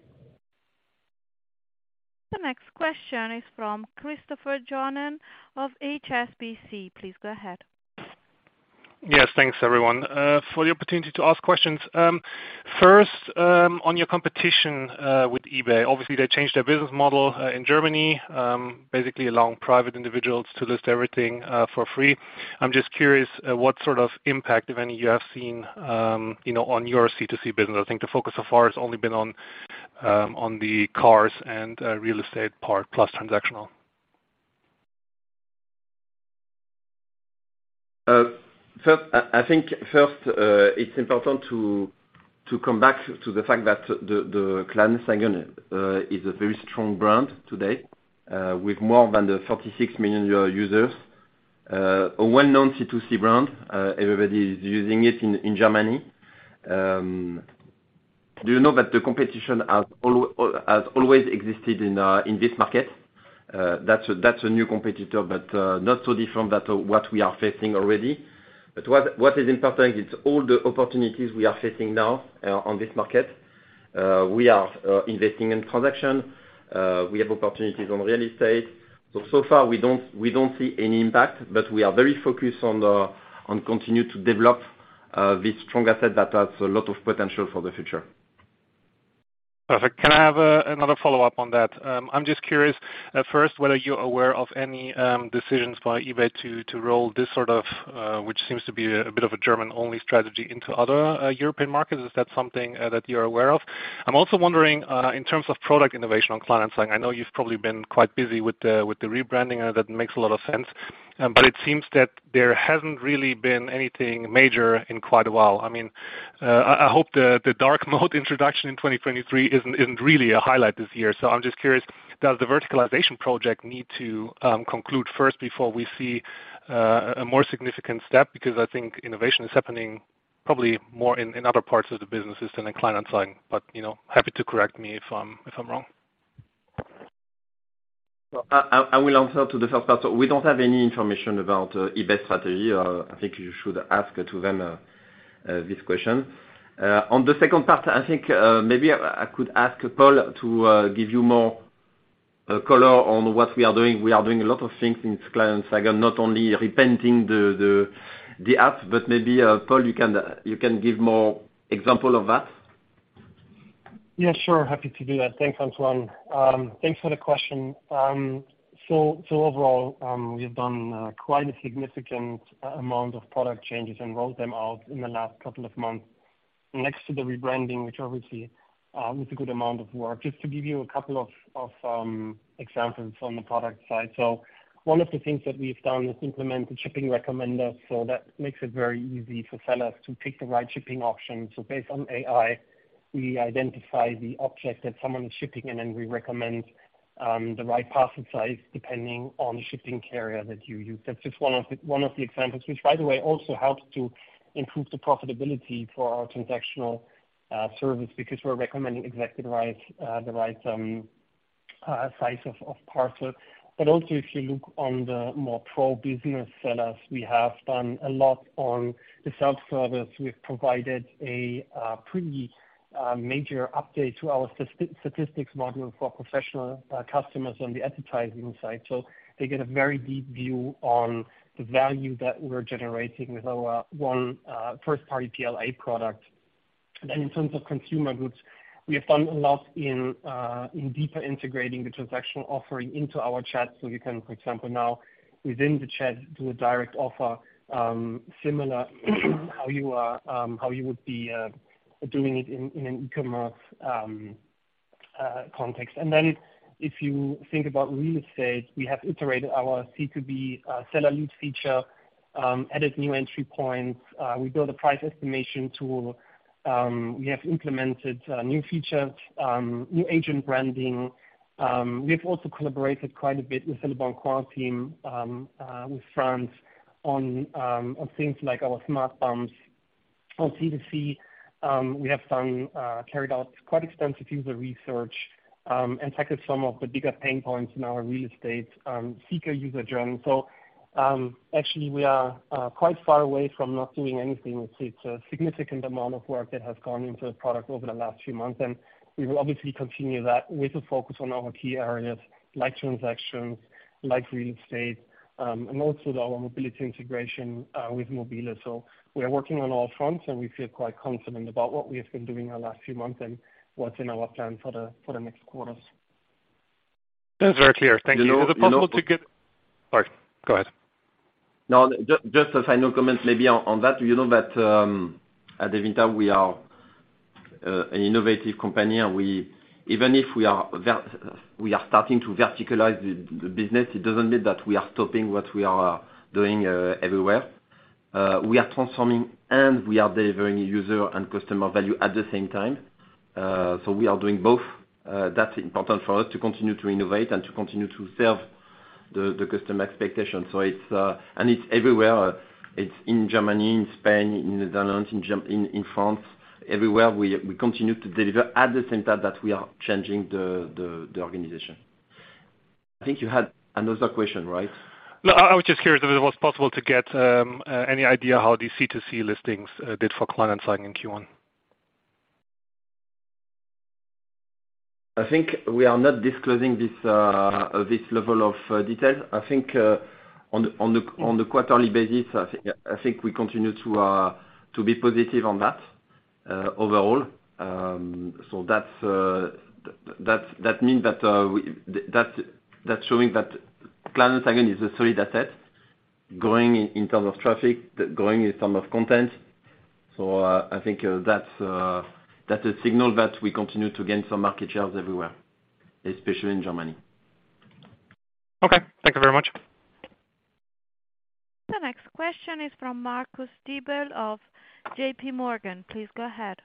The next question is from Christopher Johnen of HSBC. Please go ahead. Thanks, everyone, for the opportunity to ask questions. First, on your competition, with eBay, obviously, they changed their business model in Germany, basically allowing private individuals to list everything for free. I'm just curious, what sort of impact, if any, you have seen, you know, on your C2C business. I think the focus so far has only been on the cars and real estate part, plus transactional. First, I think first, it's important to come back to the fact that the Kleinanzeigen is a very strong brand today, with more than the 46 million users. A well-known C2C brand. Everybody is using it in Germany. Do you know that the competition has always existed in this market? That's a new competitor, but not so different that what we are facing already. What is important is all the opportunities we are facing now on this market. We are investing in transaction. We have opportunities on real estate. Far we don't see any impact, but we are very focused on continue to develop this strong asset that has a lot of potential for the future. Perfect. Can I have another follow-up on that? I'm just curious, at first, whether you're aware of any decisions by eBay to roll this sort of, which seems to be a bit of a German-only strategy into other European markets. Is that something that you're aware of? I'm also wondering, in terms of product innovation on Kleinanzeigen, I know you've probably been quite busy with the rebranding, and that makes a lot of sense. It seems that there hasn't really been anything major in quite a while. I mean, I hope the dark mode introduction in 2023 isn't really a highlight this year. I'm just curious, does the verticalization project need to conclude first before we see a more significant step? I think innovation is happening probably more in other parts of the businesses than in Kleinanzeigen. You know, happy to correct me if I'm wrong. Well, I will answer to the first part. We don't have any information about eBay strategy. I think you should ask to them this question. On the second part, I think maybe I could ask Paul to give you more color on what we are doing. We are doing a lot of things in Kleinanzeigen, not only repainting the app, but maybe Paul, you can give more example of that. Yeah, sure. Happy to do that. Thanks, Antoine. Thanks for the question. overall, we've done quite a significant amount of product changes and rolled them out in the last couple of months next to the rebranding, which obviously is a good amount of work. Just to give you a couple of examples on the product side. One of the things that we've done is implemented shipping recommenders, so that makes it very easy for sellers to pick the right shipping option. Based on AI, we identify the object that someone is shipping, and then we recommend the right parcel size depending on the shipping carrier that you use. That's just one of the examples, which, by the way, also helps to improve the profitability for our transactional service, because we're recommending exactly the right, the right size of parcel. Also, if you look on the more pro business sellers, we have done a lot on the self-service. We've provided a pretty major update to our statistics module for professional customers on the advertising side. They get a very deep view on the value that we're generating with our one first-party PLA product. In terms of consumer goods, we have done a lot in deeper integrating the transactional offering into our chat. You can, for example, now within the chat, do a direct offer, similar how you are, how you would be doing it in an e-commerce context. If you think about real estate, we have iterated our C2B seller lead feature, added new entry points. We built a price estimation tool. We have implemented new features, new agent branding. We've also collaborated quite a bit with Leboncoin team, with France on things like our Smart Bumps. On C2C, we have done, carried out quite extensive user research, and tackled some of the bigger pain points in our real estate, seeker user journey. Actually, we are, quite far away from not doing anything. It's a significant amount of work that has gone into the product over the last few months, and we will obviously continue that with a focus on our key areas like transactions, like real estate, and also our mobility integration, with Mobile. We are working on all fronts, and we feel quite confident about what we have been doing in the last few months and what's in our plan for the, for the next quarters. That's very clear. Thank you. You know. Is it possible to get... Sorry, go ahead. No. Just a final comment maybe on that. You know that, at Adevinta, we are an innovative company. Even if we are starting to verticalize the business, it doesn't mean that we are stopping what we are doing everywhere. We are transforming, and we are delivering user and customer value at the same time. We are doing both. That's important for us to continue to innovate and to continue to serve the customer expectations. It's everywhere. It's in Germany, in Spain, in the Netherlands, in France. Everywhere, we continue to deliver at the same time that we are changing the organization. I think you had another question, right? I was just curious if it was possible to get any idea how the C2C listings did for Kleinanzeigen in Q1? I think we are not disclosing this level of detail. I think, on the quarterly basis, I think we continue to be positive on that overall. That means that That's showing that Kleinanzeigen is a solid asset growing in terms of traffic, growing in terms of content. I think that's a signal that we continue to gain some market shares everywhere, especially in Germany. Okay. Thank you very much. The next question is from Marcus Diebel of JPMorgan. Please go ahead.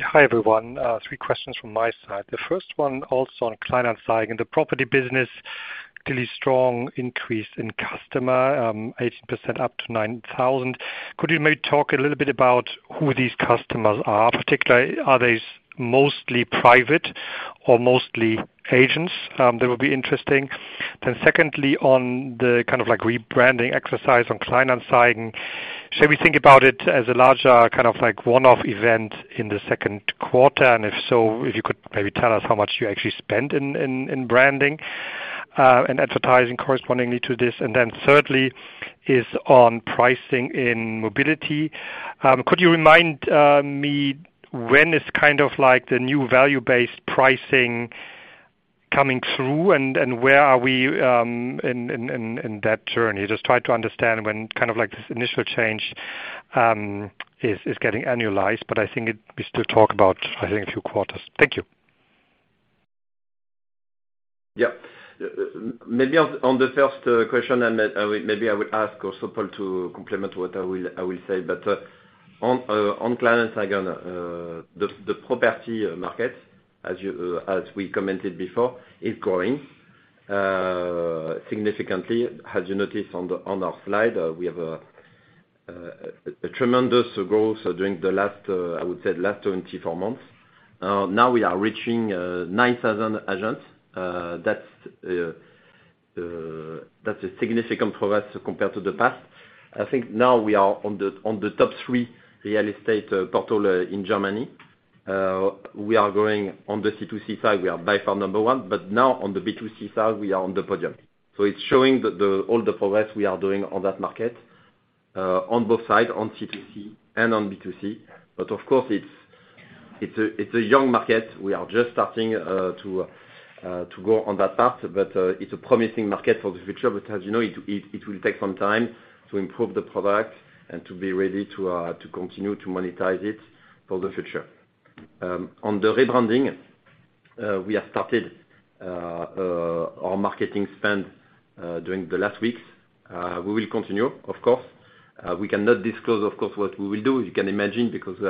Hi, everyone. Three questions from my side. The first one also on Kleinanzeigen. The property business, clearly strong increase in customer, 18% up to 9,000. Could you maybe talk a little bit about who these customers are? Particularly, are they mostly private or mostly agents? That would be interesting. Secondly, on the kind of like rebranding exercise on Kleinanzeigen, should we think about it as a larger, kind of like one-off event in the second quarter? If so, if you could maybe tell us how much you actually spent in branding and advertising correspondingly to this. Thirdly is on pricing in mobility. Could you remind me when is kind of like the new value-based pricing coming through and where are we in that journey? Just try to understand when kind of like this initial change, is getting annualized. I think we still talk about, I think, a few quarters. Thank you. Yeah. Maybe on the first question, maybe I will ask also Paul to complement what I will say. On Kleinanzeigen, the property market, as we commented before, is growing significantly. As you noticed on our slide, we have a tremendous growth during the last I would say last 24 months. Now we are reaching 9,000 agents. That's a significant progress compared to the past. I think now we are on the top three real estate portal in Germany. We are growing on the C2C side. We are by far number one, but now on the B2C side, we are on the podium. It's showing the progress we are doing on that market, on both sides, on C2C and on B2C. Of course, it's a young market. We are just starting to grow on that part. It's a promising market for the future. As you know, it will take some time to improve the product and to be ready to continue to monetize it for the future. On the rebranding, we have started our marketing spend during the last weeks. We will continue, of course. We cannot disclose, of course, what we will do, you can imagine, because we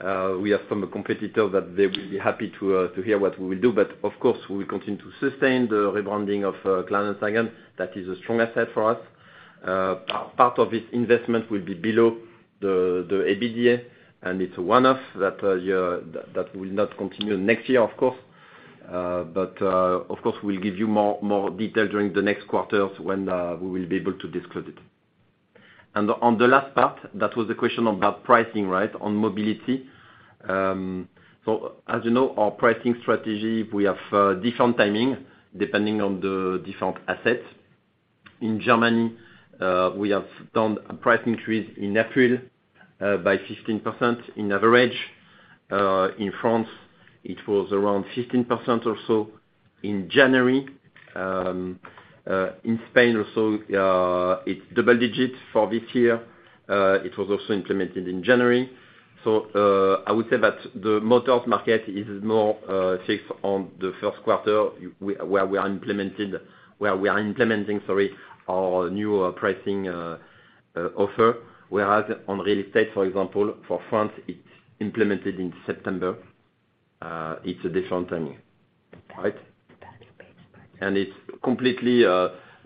have some competitor that they will be happy to hear what we will do. Of course, we will continue to sustain the rebranding of Kleinanzeigen. That is a strong asset for us. Part of this investment will be below the EBITDA, and it's a one-off that will not continue next year, of course. Of course, we'll give you more detail during the next quarters when we will be able to disclose it. On the last part, that was a question about pricing, right? On mobility. As you know, our pricing strategy, we have different timing depending on the different assets. In Germany, we have done a price increase in April by 15% in average. In France it was around 15% or so in January. In Spain also, it's double digits for this year, it was also implemented in January. I would say that the motors market is more fixed on the first quarter where we are implementing, sorry, our new pricing offer. Whereas on real estate, for example, for France, it's implemented in September. It's a different timing. Right? It's completely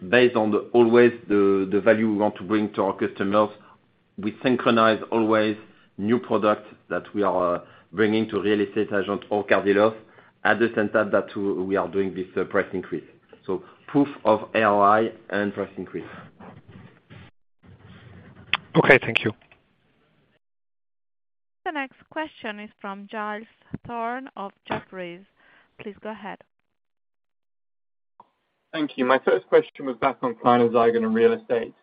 based on always the value we want to bring to our customers. We synchronize always new product that we are bringing to real estate agent or car dealers at the same time that we are doing this price increase. Proof of ROI and price increase. Okay, thank you. The next question is from Giles Thorne of Jefferies. Please go ahead. Thank you. My first question was back on Kleinanzeigen in real estate.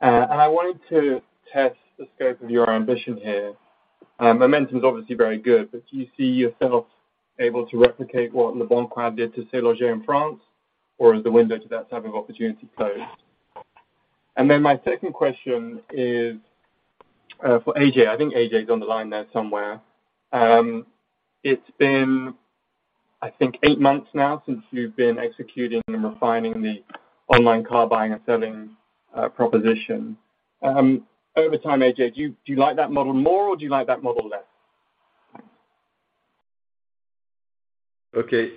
I wanted to test the scope of your ambition here. Momentum is obviously very good, but do you see yourself able to replicate what leboncoin did to in France, or is the window to that type of opportunity closed? My second question is for Ajay. I think Ajay is on the line there somewhere. It's been, I think, eight months now since you've been executing and refining the online car buying and selling proposition. Over time, Ajay, do you like that model more or do you like that model less? Okay.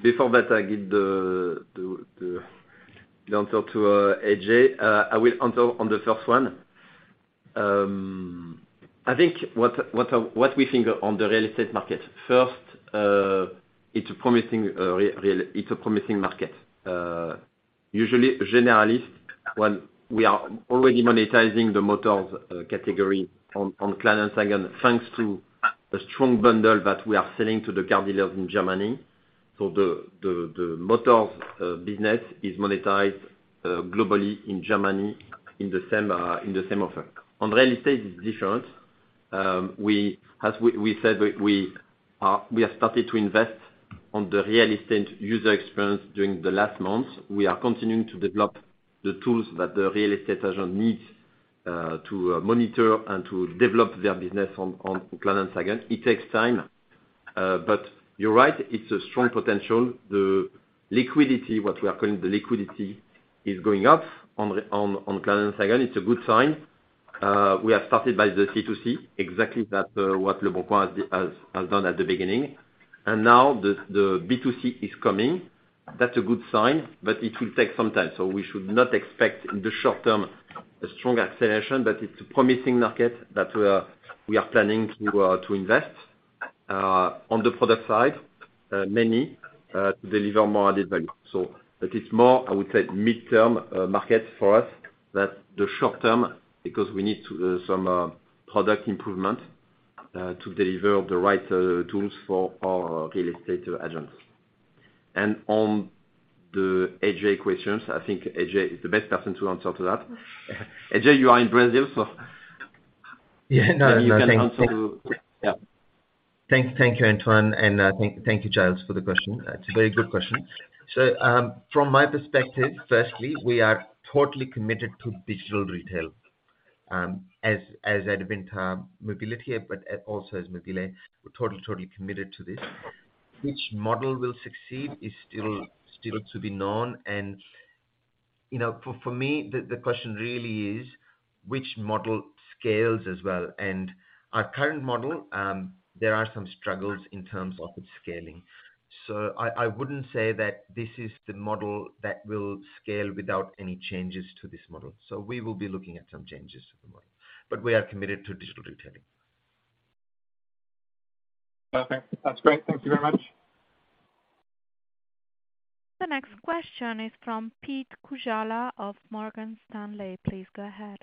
Before that, I give the answer to Ajay. I will answer on the first one. I think what we think on the real estate market. First, it's a promising market. Usually generalist, when we are already monetizing the motors category on Kleinanzeigen, thanks to a strong bundle that we are selling to the car dealers in Germany. The motors business is monetized globally in Germany in the same offer. On real estate, it's different. As we said, we have started to invest on the real estate user experience during the last month. We are continuing to develop the tools that the real estate agent needs to monitor and to develop their business on Kleinanzeigen. It takes time, but you're right, it's a strong potential. The liquidity, what we are calling the liquidity, is going up on Kleinanzeigen. It's a good sign. We have started by the C2C exactly that what leboncoin has done at the beginning. Now the B2C is coming. That's a good sign, but it will take some time. We should not expect in the short term a strong acceleration. It's a promising market that we are planning to invest on the product side, mainly to deliver more added value. That is more, I would say, midterm market for us than the short term, because we need some product improvement to deliver the right tools for our real estate agents. On the Ajay questions, I think Ajay is the best person to answer to that. Ajay, you are in Brazil, so. Yeah, no. You can answer. Yeah. Thanks. Thank you, Antoine, thank you, Giles, for the question. It's a very good question. From my perspective, firstly, we are totally committed to digital retail, as Adevinta Mobility, but also as mobile.de. We're totally committed to this. Which model will succeed is still to be known. You know, for me, the question really is which model scales as well. Our current model, there are some struggles in terms of its scaling. I wouldn't say that this is the model that will scale without any changes to this model. We will be looking at some changes to the model, but we are committed to digital retailing. Perfect. That's great. Thank you very much. The next question is from Pete Kujala of Morgan Stanley. Please go ahead.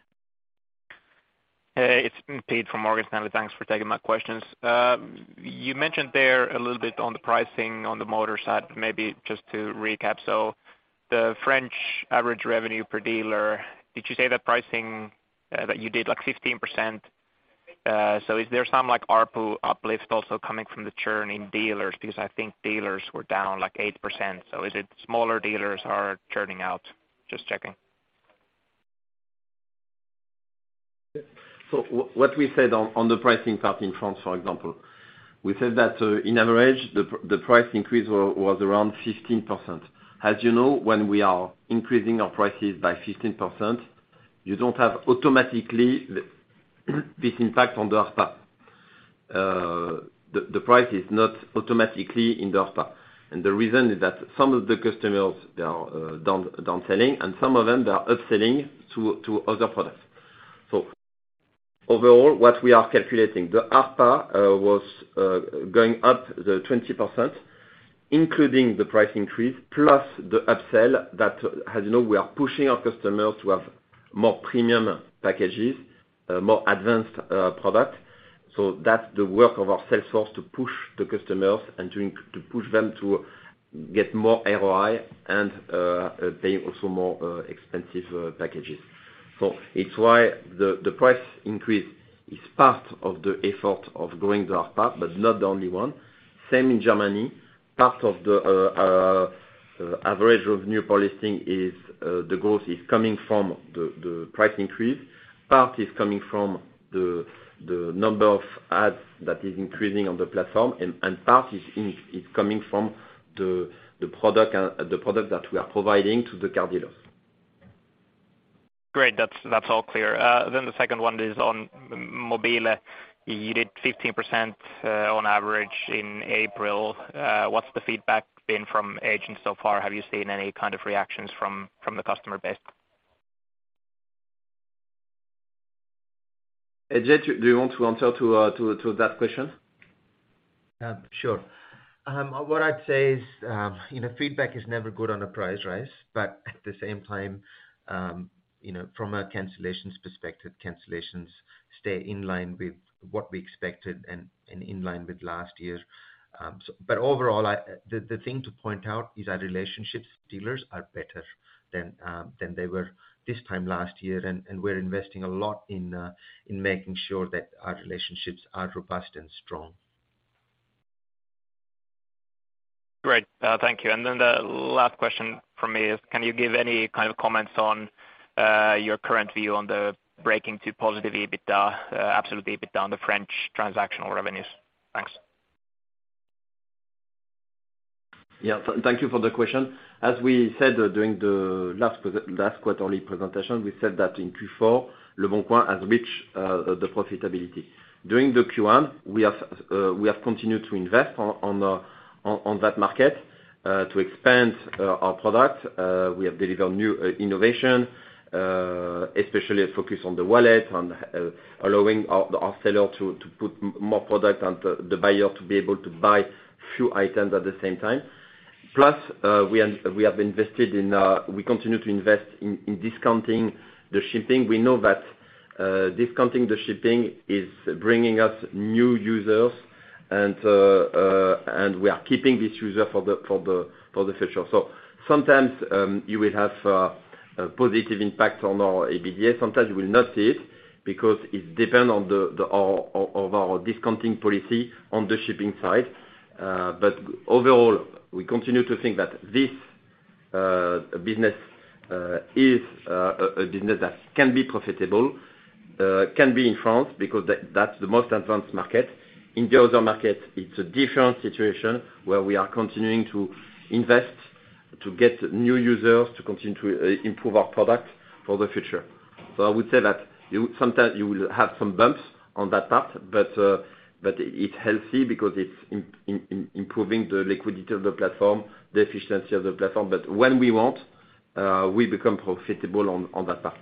Hey, it's Pete from Morgan Stanley. Thanks for taking my questions. You mentioned there a little bit on the pricing on the motor side, maybe just to recap. The French average revenue per dealer, did you say the pricing that you did like 15%? Is there some, like, ARPU uplift also coming from the churning dealers? Because I think dealers were down, like, 8%. Is it smaller dealers are churning out? Just checking. What we said on the pricing part in France, for example. We said that, in average, the price increase was around 15%. As you know, when we are increasing our prices by 15%, you don't have automatically this impact on the ARPA. The, the price is not automatically in the ARPA. The reason is that some of the customers, they are, down, downselling, and some of them, they are upselling to other products. Overall, what we are calculating, the ARPA, was going up the 20%, including the price increase, plus the upsell that, as you know, we are pushing our customers to have more premium packages, more advanced, product. That's the work of our salesforce to push the customers and to push them to get more ROI and pay also more expensive packages. It's why the price increase is part of the effort of going ARPA, but not the only one. Same in Germany. Part of the average revenue per listing is the growth is coming from the price increase. Part is coming from the number of ads that is increasing on the platform, and part is coming from the product and the product that we are providing to the car dealers. Great. That's all clear. The second one is on Mobile. You did 15%, on average in April. What's the feedback been from agents so far? Have you seen any kind of reactions from the customer base? Ajay, do you want to answer to that question? Sure. What I'd say is, you know, feedback is never good on a price rise. At the same time, you know, from a cancellations perspective, cancellations stay in line with what we expected and in line with last year. Overall, I, the thing to point out is our relationships with dealers are better than they were this time last year, and we're investing a lot in making sure that our relationships are robust and strong. Great. Thank you. Then the last question from me is, can you give any kind of comments on your current view on the breaking to positive EBITDA, absolute EBITDA on the French transactional revenues? Thanks. Yeah. Thank you for the question. We said during the last quarterly presentation, we said that in Q4, leboncoin has reached the profitability. During the Q1, we have continued to invest on that market to expand our product. We have delivered new innovation especially focused on the wallet, on allowing our seller to put more product and the buyer to be able to buy a few items at the same time. We have invested, we continue to invest in discounting the shipping. We know that discounting the shipping is bringing us new users and we are keeping this user for the future. Sometimes you will have a positive impact on our EBITDA. Sometimes you will not see it because it depend on our discounting policy on the shipping side. Overall, we continue to think that this business is a business that can be profitable, can be in France because that's the most advanced market. In the other market, it's a different situation where we are continuing to invest to get new users to continue to improve our product for the future. I would say that sometimes you will have some bumps on that part, but it's healthy because it's improving the liquidity of the platform, the efficiency of the platform. When we want, we become profitable on that part.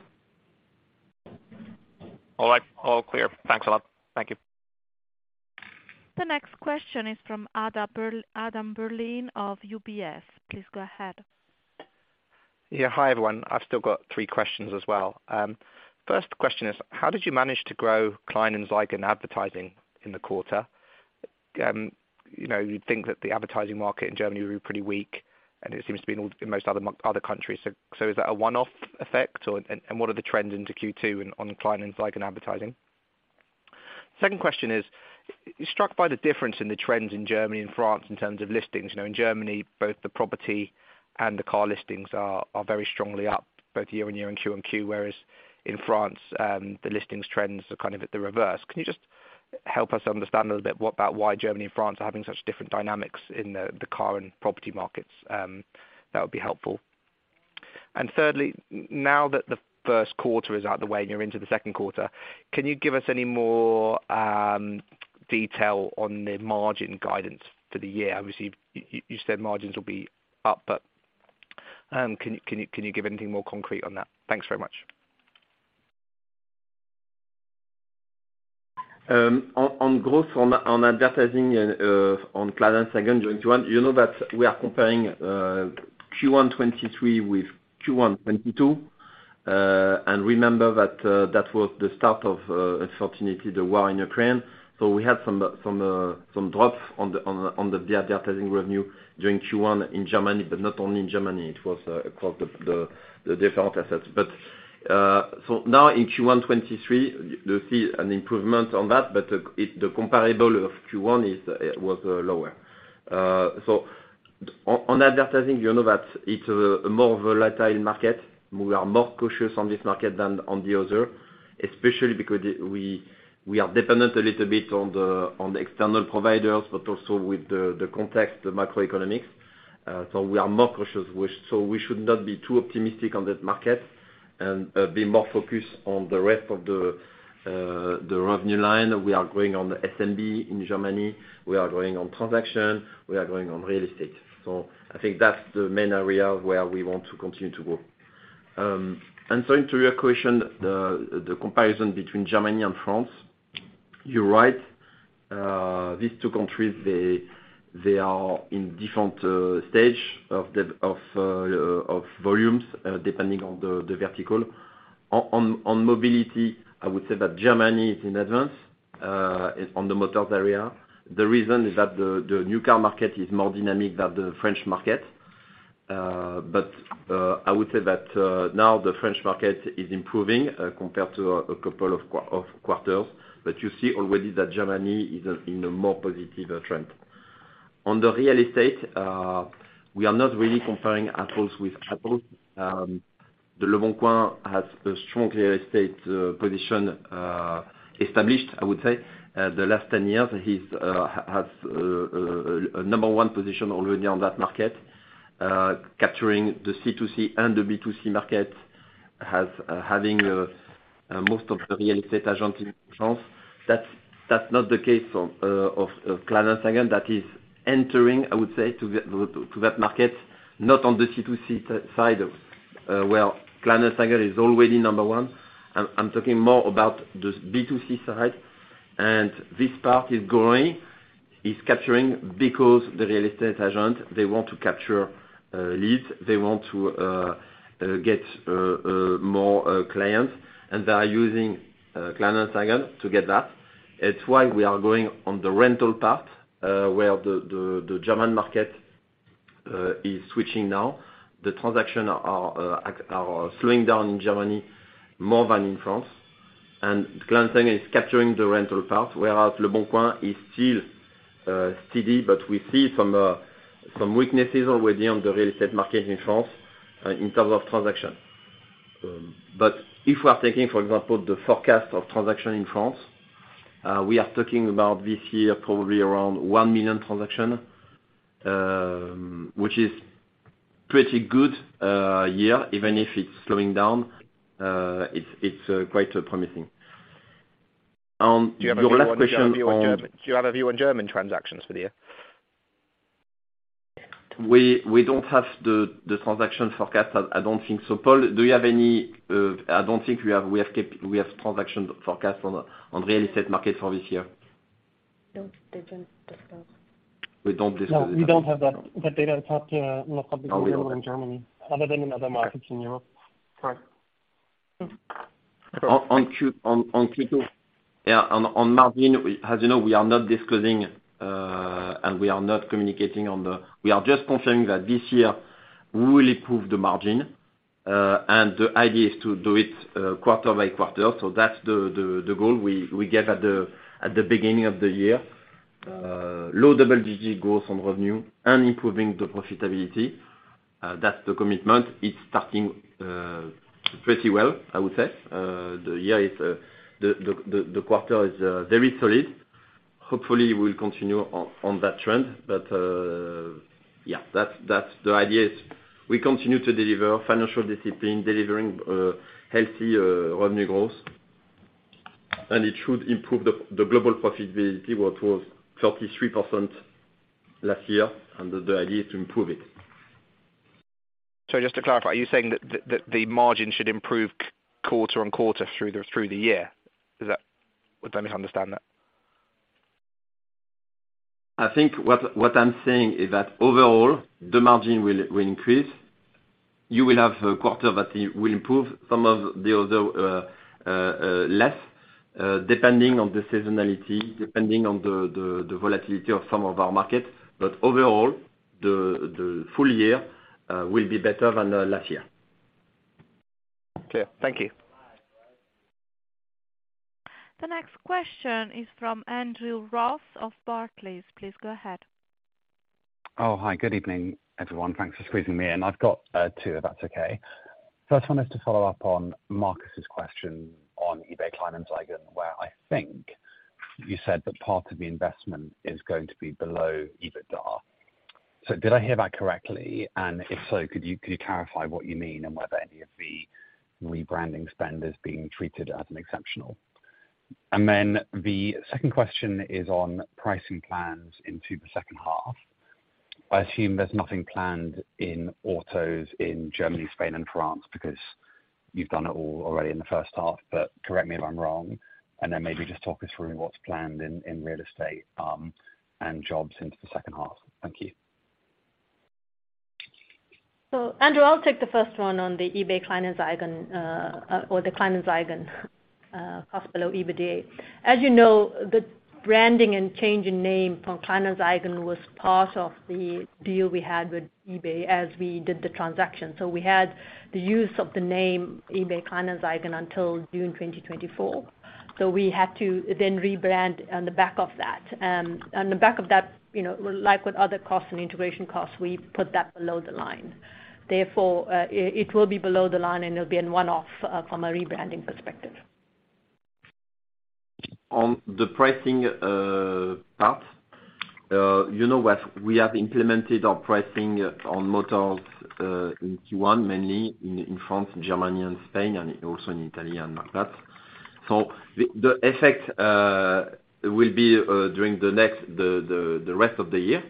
All right. All clear. Thanks a lot. Thank you. The next question is from Adam Berlin of UBS. Please go ahead. Yeah. Hi, everyone. I've still got three questions as well. First question is, how did you manage to grow Kleinanzeigen advertising in the quarter? You know, you'd think that the advertising market in Germany would be pretty weak, and it seems to be in most other countries. Is that a one-off effect or, and what are the trends into Q2 on the Kleinanzeigen advertising? Second question is, you're struck by the difference in the trends in Germany and France in terms of listings. You know, in Germany, both the property and the car listings are very strongly up, both year-over-year and quarter-over-quarter, whereas in France, the listings trends are kind of at the reverse. Can you just help us understand a little bit what about why Germany and France are having such different dynamics in the car and property markets? That would be helpful. Thirdly, now that the first quarter is out the way and you're into the second quarter, can you give us any more detail on the margin guidance for the year? Obviously, you said margins will be up, but can you give anything more concrete on that? Thanks very much. On growth on advertising and on Kleinanzeigen during Q1, you know that we are comparing Q1 2023 with Q1 2022. Remember that that was the start of, unfortunately, the war in Ukraine. We had some drops on the advertising revenue during Q1 in Germany, but not only in Germany. It was across the different assets. Now in Q1 2023, you'll see an improvement on that, but the comparable of Q1 was lower. On advertising, you know that it's a more volatile market. We are more cautious on this market than on the other, especially because we are dependent a little bit on the external providers, but also with the context, the macroeconomics. We are more cautious. We should not be too optimistic on that market and be more focused on the rest of the revenue line. We are growing on the SMB in Germany. We are growing on transaction. We are growing on real estate. I think that's the main area where we want to continue to grow. To your question, the comparison between Germany and France. You're right. These two countries, they are in different stage of the volumes, depending on the vertical. On mobility, I would say that Germany is in advance on the motors area. The reason is that the new car market is more dynamic than the French market. I would say that now the French market is improving compared to a couple of quarters. You see already that Germany is in a more positive trend. On the real estate, we are not really comparing apples with apples. The Leboncoin has a strong real estate position established, I would say. The last 10 years, he has a number one position already on that market, capturing the C2C and the B2C market, has having most of the real estate agent in France. That's not the case of Kleinanzeigen. That is entering, I would say, to that market, not on the C2C side, where Kleinanzeigen is already number one. I'm talking more about this B2C side. This part is growing. It's capturing because the real estate agent, they want to capture leads. They want to get more clients. They are using Kleinanzeigen to get that. It's why we are going on the rental part, where the German market is switching now. The transaction are slowing down in Germany more than in France. Kleinanzeigen is capturing the rental part, whereas leboncoin is still steady, but we see some weaknesses already on the real estate market in France in terms of transaction. If we are taking, for example, the forecast of transaction in France, we are talking about this year probably around 1 million transaction, which is pretty good year, even if it's slowing down. It's quite promising. Your last question on. Do you have a view on German transactions for the year? We don't have the transaction forecast. I don't think so. Paul, do you have any? I don't think we have. We have transaction forecast on real estate market for this year. No, they didn't discuss. We don't discuss it. No, we don't have that data. It's not not published anywhere in Germany other than in other markets in Europe. Correct. On Q2, yeah, on margin, as you know, we are not disclosing, and we are not communicating on. We are just confirming that this year we will improve the margin. The idea is to do it quarter by quarter. That's the goal we gave at the beginning of the year. Low double-digit growth on revenue and improving the profitability. That's the commitment. It's starting pretty well, I would say. The year is, the quarter is very solid. Hopefully, we'll continue on that trend. The idea is we continue to deliver financial discipline, delivering healthy revenue growth, and it should improve the global profitability, what was 33% last year, and the idea is to improve it. Just to clarify, are you saying that the margin should improve quarter-on-quarter through the year? Would I misunderstand that? I think what I'm saying is that overall, the margin will increase. You will have a quarter that will improve some of the other, less, depending on the seasonality, depending on the volatility of some of our markets. Overall, the full year will be better than last year. Clear. Thank you. The next question is from Andrew Ross of Barclays. Please go ahead. Hi. Good evening, everyone. Thanks for squeezing me in. I've got two, if that's okay. First one is to follow up on Marcus's question on eBay Kleinanzeigen, where I think you said that part of the investment is going to be below EBITDA. Did I hear that correctly? If so, could you clarify what you mean and whether any of the rebranding spend is being treated as an exceptional? The second question is on pricing plans into the second half. I assume there's nothing planned in autos in Germany, Spain, and France because you've done it all already in the first half. Correct me if I'm wrong, maybe just talk us through what's planned in real estate and jobs into the second half. Thank you. Andrew, I'll take the first one on the eBay Kleinanzeigen or the Kleinanzeigen cost below EBITDA. As you know, the branding and change in name from Kleinanzeigen was part of the deal we had with eBay as we did the transaction. We had the use of the name eBay Kleinanzeigen until June 2024. We had to then rebrand on the back of that. On the back of that, you know, like with other costs and integration costs, we put that below the line. Therefore, it will be below the line, and it'll be a one-off from a rebranding perspective. On the pricing part, you know, we have implemented our pricing on motors in Q1, mainly in France, Germany, and Spain, and also in Italy and like that. The effect will be during the rest of the year.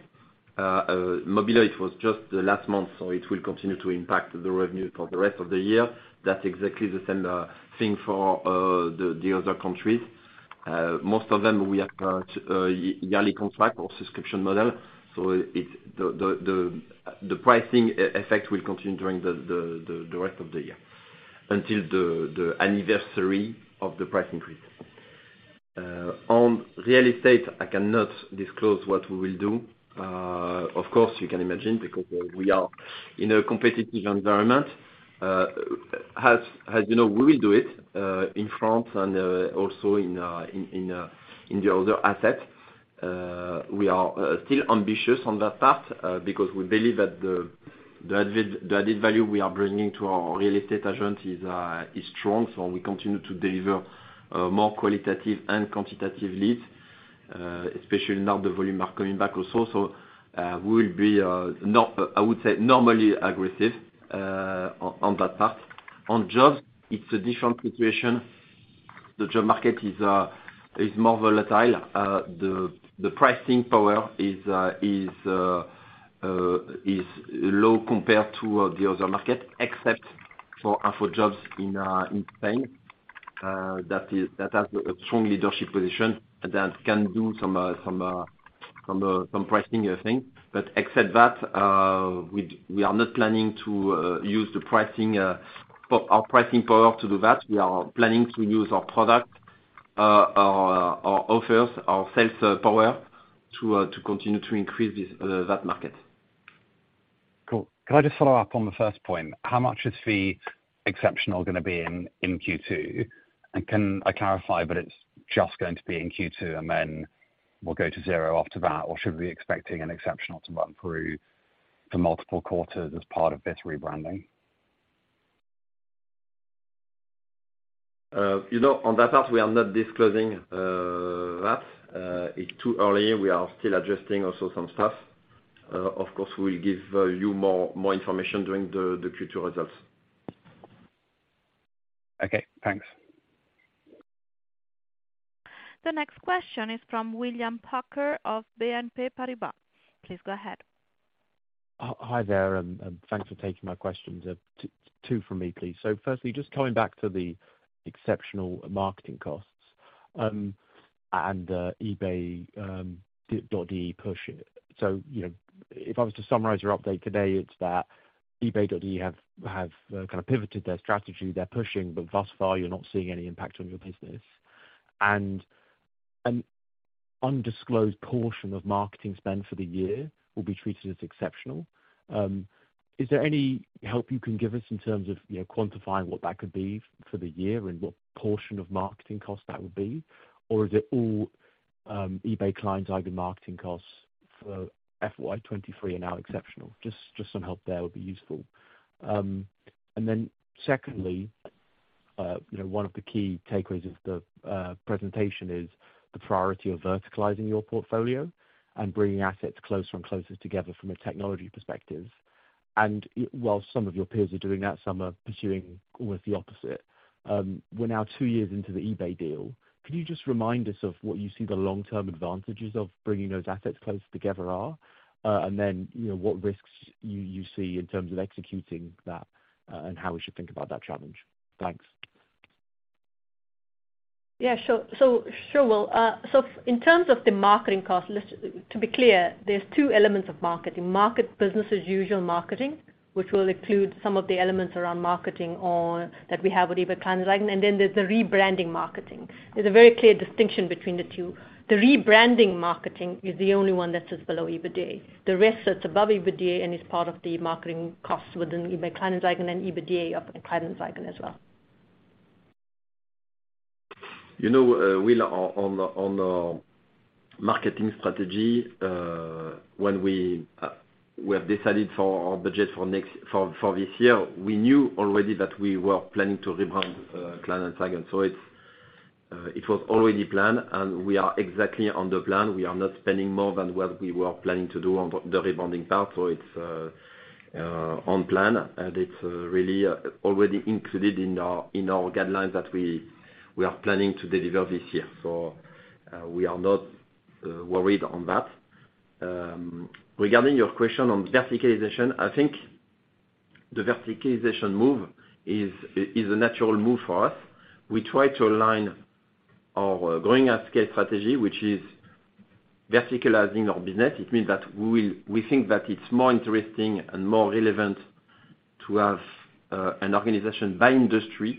mobile.de, it was just the last month, it will continue to impact the revenue for the rest of the year. That's exactly the same thing for the other countries. Most of them, we have got a yearly contract or subscription model, the pricing effect will continue during the rest of the year until the anniversary of the price increase. On real estate, I cannot disclose what we will do. Of course, you can imagine because we are in a competitive environment. As you know, we will do it in France and also in the other assets. We are still ambitious on that part because we believe that the added value we are bringing to our real estate agent is strong, so we continue to deliver more qualitative and quantitative leads, especially now the volume are coming back also. We'll be I would say normally aggressive on that part. On jobs, it's a different situation. The job market is more volatile. The pricing power is low compared to the other market, except for jobs in Spain. That has a strong leadership position that can do some pricing, I think. Except that, we are not planning to use the pricing or our pricing power to do that. We are planning to use our product, our offers, our sales power to continue to increase this that market. Cool. Can I just follow up on the first point? How much is the exceptional gonna be in Q2? Can I clarify that it's just going to be in Q2, and then we'll go to zero after that? Or should we be expecting an exceptional to run through for multiple quarters as part of this rebranding? You know, on that part, we are not disclosing that. It's too early. We are still adjusting also some stuff. Of course, we'll give you more information during the Q2 results. Okay, thanks. The next question is from William Packer of BNP Paribas. Please go ahead. Hi, hi there, and thanks for taking my questions. Two from me, please. Firstly, just coming back to the exceptional marketing costs, and eBay.de push. You know, if I was to summarize your update today, it's that eBay.de have kind of pivoted their strategy. They're pushing, but thus far, you're not seeing any impact on your business. An undisclosed portion of marketing spend for the year will be treated as exceptional. Is there any help you can give us in terms of, you know, quantifying what that could be for the year and what portion of marketing costs that would be? Or is it all eBay Kleinanzeigen marketing costs for FY 2023 are now exceptional? Just some help there would be useful. Secondly, one of the key takeaways of the presentation is the priority of verticalizing your portfolio and bringing assets closer and closer together from a technology perspective. While some of your peers are doing that, some are pursuing almost the opposite. We're now 2 years into the eBay deal. Could you just remind us of what you see the long-term advantages of bringing those assets closer together are? Then, what risks you see in terms of executing that, and how we should think about that challenge? Thanks. Yeah, sure. Sure, Will. In terms of the marketing costs, to be clear, there's two elements of marketing. Market business as usual marketing, which will include some of the elements around marketing or that we have with eBay Kleinanzeigen, then there's the rebranding marketing. There's a very clear distinction between the two. The rebranding marketing is the only one that sits below EBITDA. The rest sits above EBITDA and is part of the marketing costs within eBay Kleinanzeigen and EBITDA of Kleinanzeigen as well. You know, Will, on our marketing strategy, when we have decided for our budget for this year, we knew already that we were planning to rebrand Kleinanzeigen. It was already planned, and we are exactly on the plan. We are not spending more than what we were planning to do on the rebranding part, so it's on plan, and it's really already included in our guidelines that we are planning to deliver this year. We are not worried on that. Regarding your question on verticalization, I think the verticalization move is a natural move for us. We try to align our growing up scale strategy, which is verticalizing our business. It means that we think that it's more interesting and more relevant to have an organization by industry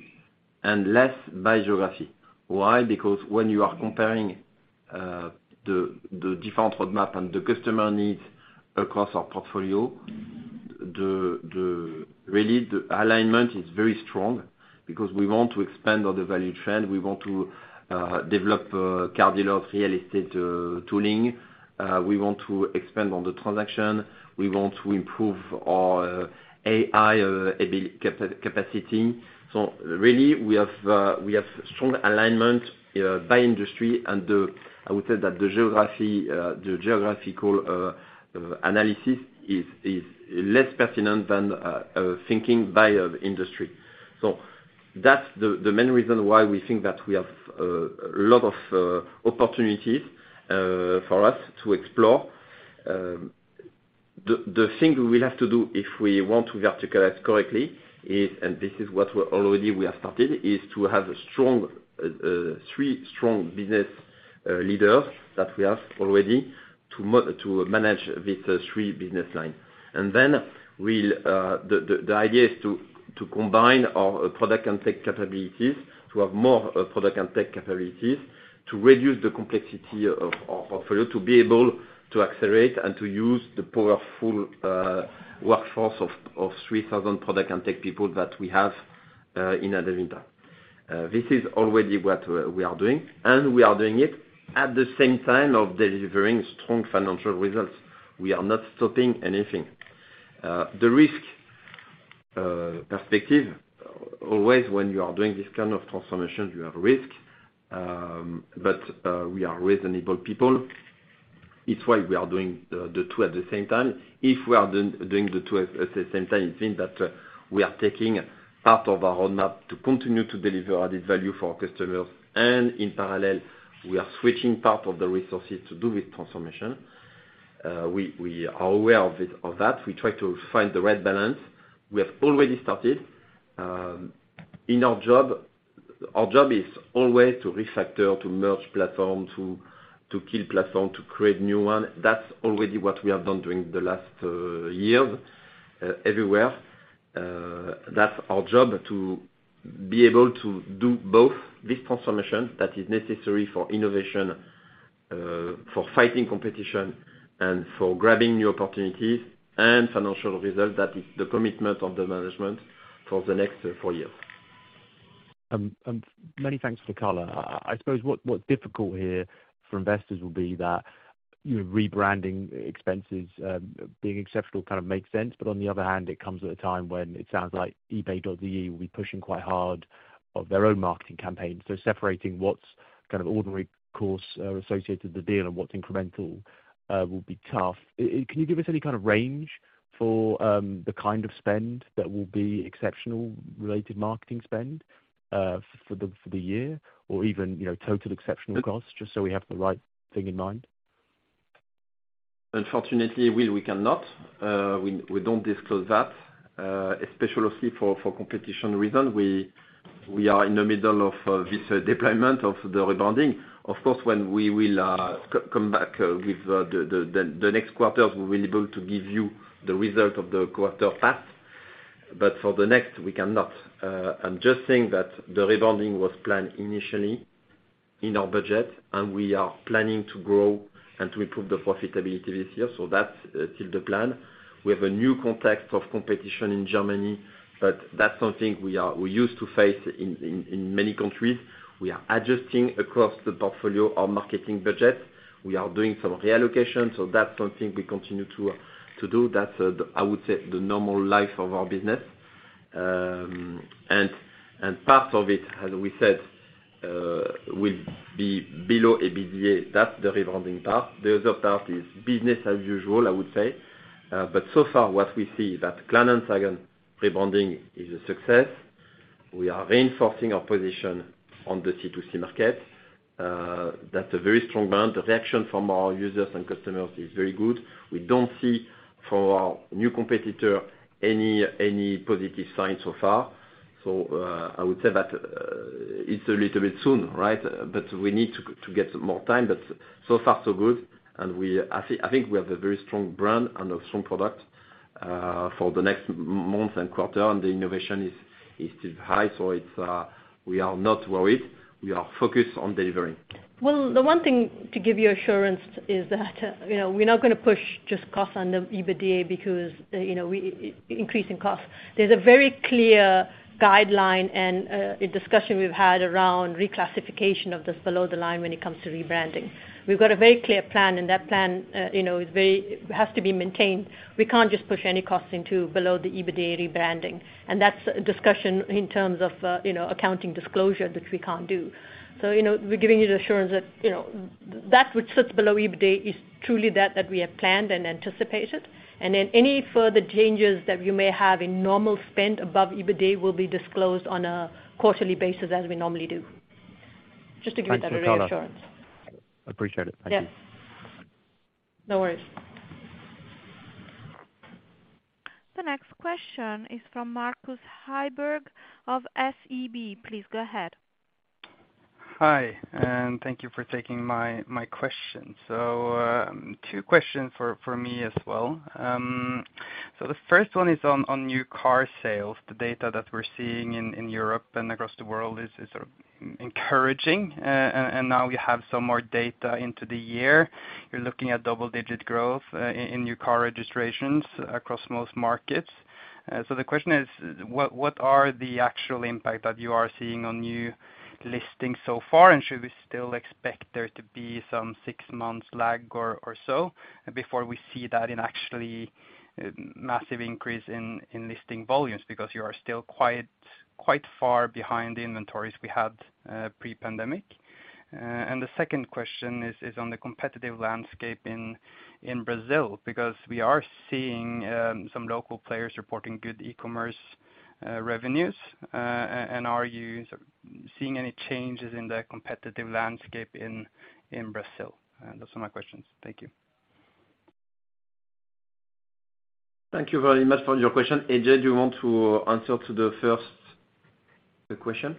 and less by geography. Why? Because when you are comparing the different roadmap and the customer needs across our portfolio, really the alignment is very strong because we want to expand on the value chain. We want to develop cross-sell real estate tooling. We want to expand on the transaction. We want to improve our AI capacity. Really, we have strong alignment by industry. I would say that the geography, the geographical analysis is less pertinent than thinking by industry. That's the main reason why we think that we have a lot of opportunities for us to explore. The thing we will have to do if we want to verticalize correctly is, and this is what we have already started, is to have three strong business leaders that we have already to manage this three business line. We'll, the idea is to combine our product and tech capabilities to have more product and tech capabilities to reduce the complexity of our portfolio, to be able to accelerate and to use the powerful workforce of 3,000 product and tech people that we have in Adevinta. This is already what we are doing, and we are doing it at the same time of delivering strong financial results. We are not stopping anything. The risk perspective, always when you are doing this kind of transformations, you have risk. We are reasonable people. It's why we are doing the two at the same time. If we are doing the two at the same time, it means that we are taking part of our roadmap to continue to deliver added value for our customers. In parallel, we are switching part of the resources to do with transformation. We are aware of it, of that. We try to find the right balance. We have already started in our job. Our job is always to refactor, to merge platform, to kill platform, to create new one. That's already what we have done during the last years everywhere. That's our job, to be able to do both this transformation that is necessary for innovation, for fighting competition and for grabbing new opportunities and financial results. That is the commitment of the management for the next four years. Many thanks for color. I suppose what's difficult here for investors will be that, you rebranding expenses, being exceptional kind of makes sense. On the other hand, it comes at a time when it sounds like eBay.de will be pushing quite hard of their own marketing campaign. Separating what's kind of ordinary course, associated the deal and what's incremental, will be tough. Can you give us any kind of range for the kind of spend that will be exceptional related marketing spend for the year or even, you know, total exceptional costs, just so we have the right thing in mind? Unfortunately, we cannot. We don't disclose that, especially for competition reason. We are in the middle of this deployment of the rebranding. Of course, when we will come back with the next quarters, we'll be able to give you the result of the quarter path. For the next, we cannot. I'm just saying that the rebranding was planned initially in our budget, we are planning to grow and to improve the profitability this year. That's still the plan. We have a new context of competition in Germany, that's something we used to face in many countries. We are adjusting across the portfolio, our marketing budget. We are doing some reallocation, that's something we continue to do. That's, the, I would say, the normal life of our business. Part of it, as we said, will be below EBITDA. That's the rebranding part. The other part is business as usual, I would say. So far, what we see is that Kleinanzeigen rebranding is a success. We are reinforcing our position on the C2C market. That's a very strong brand. The reaction from our users and customers is very good. We don't see for our new competitor any positive signs so far. I would say that, it's a little bit soon, right? We need to get some more time. So far so good. I think we have a very strong brand and a strong product for the next month and quarter, and the innovation is still high. It's, we are not worried. We are focused on delivering. Well, the one thing to give you assurance is that, you know, we're not gonna push just costs on the EBITDA because, you know, we increasing costs. There's a very clear guideline and a discussion we've had around reclassification of this below the line when it comes to rebranding. We've got a very clear plan, and that plan, you know, is very, has to be maintained. We can't just push any costs into below the EBITDA rebranding. That's a discussion in terms of, you know, accounting disclosure, which we can't do. You know, we're giving you the assurance that, you know, that which sits below EBITDA is truly that we have planned and anticipated. Then any further changes that you may have in normal spend above EBITDA will be disclosed on a quarterly basis as we normally do. Just to give you that reassurance. Thanks, Uvashni. Appreciate it. Thank you. Yes. No worries. The next question is from Markus Heiberg of SEB. Please go ahead. Hi, thank you for taking my question. Two questions for me as well. The first one is on new car sales. The data that we're seeing in Europe and across the world is sort of encouraging. Now we have some more data into the year. You're looking at double-digit growth in new car registrations across most markets. The question is, what are the actual impact that you are seeing on new listings so far? Should we still expect there to be some 6 months lag or so before we see that in actually massive increase in listing volumes? You are still quite far behind the inventories we had pre-pandemic. The second question is on the competitive landscape in Brazil, because we are seeing some local players reporting good e-commerce revenues. Are you seeing any changes in the competitive landscape in Brazil? Those are my questions. Thank you. Thank you very much for your question. Ajay, do you want to answer to the first question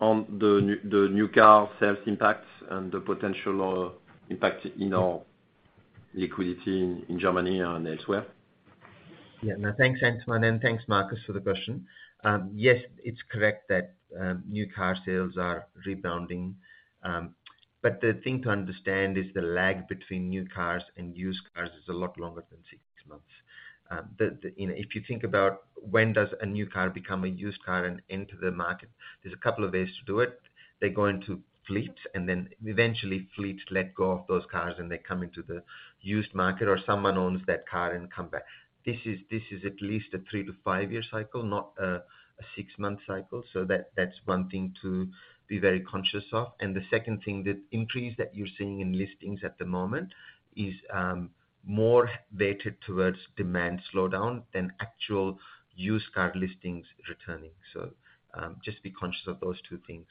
on the new car sales impact and the potential impact in our liquidity in Germany and elsewhere? Yeah. No, thanks, Antoine, and thanks, Marcus, for the question. Yes, it's correct that new car sales are rebounding. The thing to understand is the lag between new cars and used cars is a lot longer than six months. If you think about when does a new car become a used car and enter the market, there's a couple of ways to do it. They go into fleets, and then eventually fleets let go of those cars, and they come into the used market, or someone owns that car and come back. This is at least a three to five-year cycle, not a six-month cycle. That's one thing to be very conscious of. The second thing, the increase that you're seeing in listings at the moment is more weighted towards demand slowdown than actual used car listings returning. Just be conscious of those two things.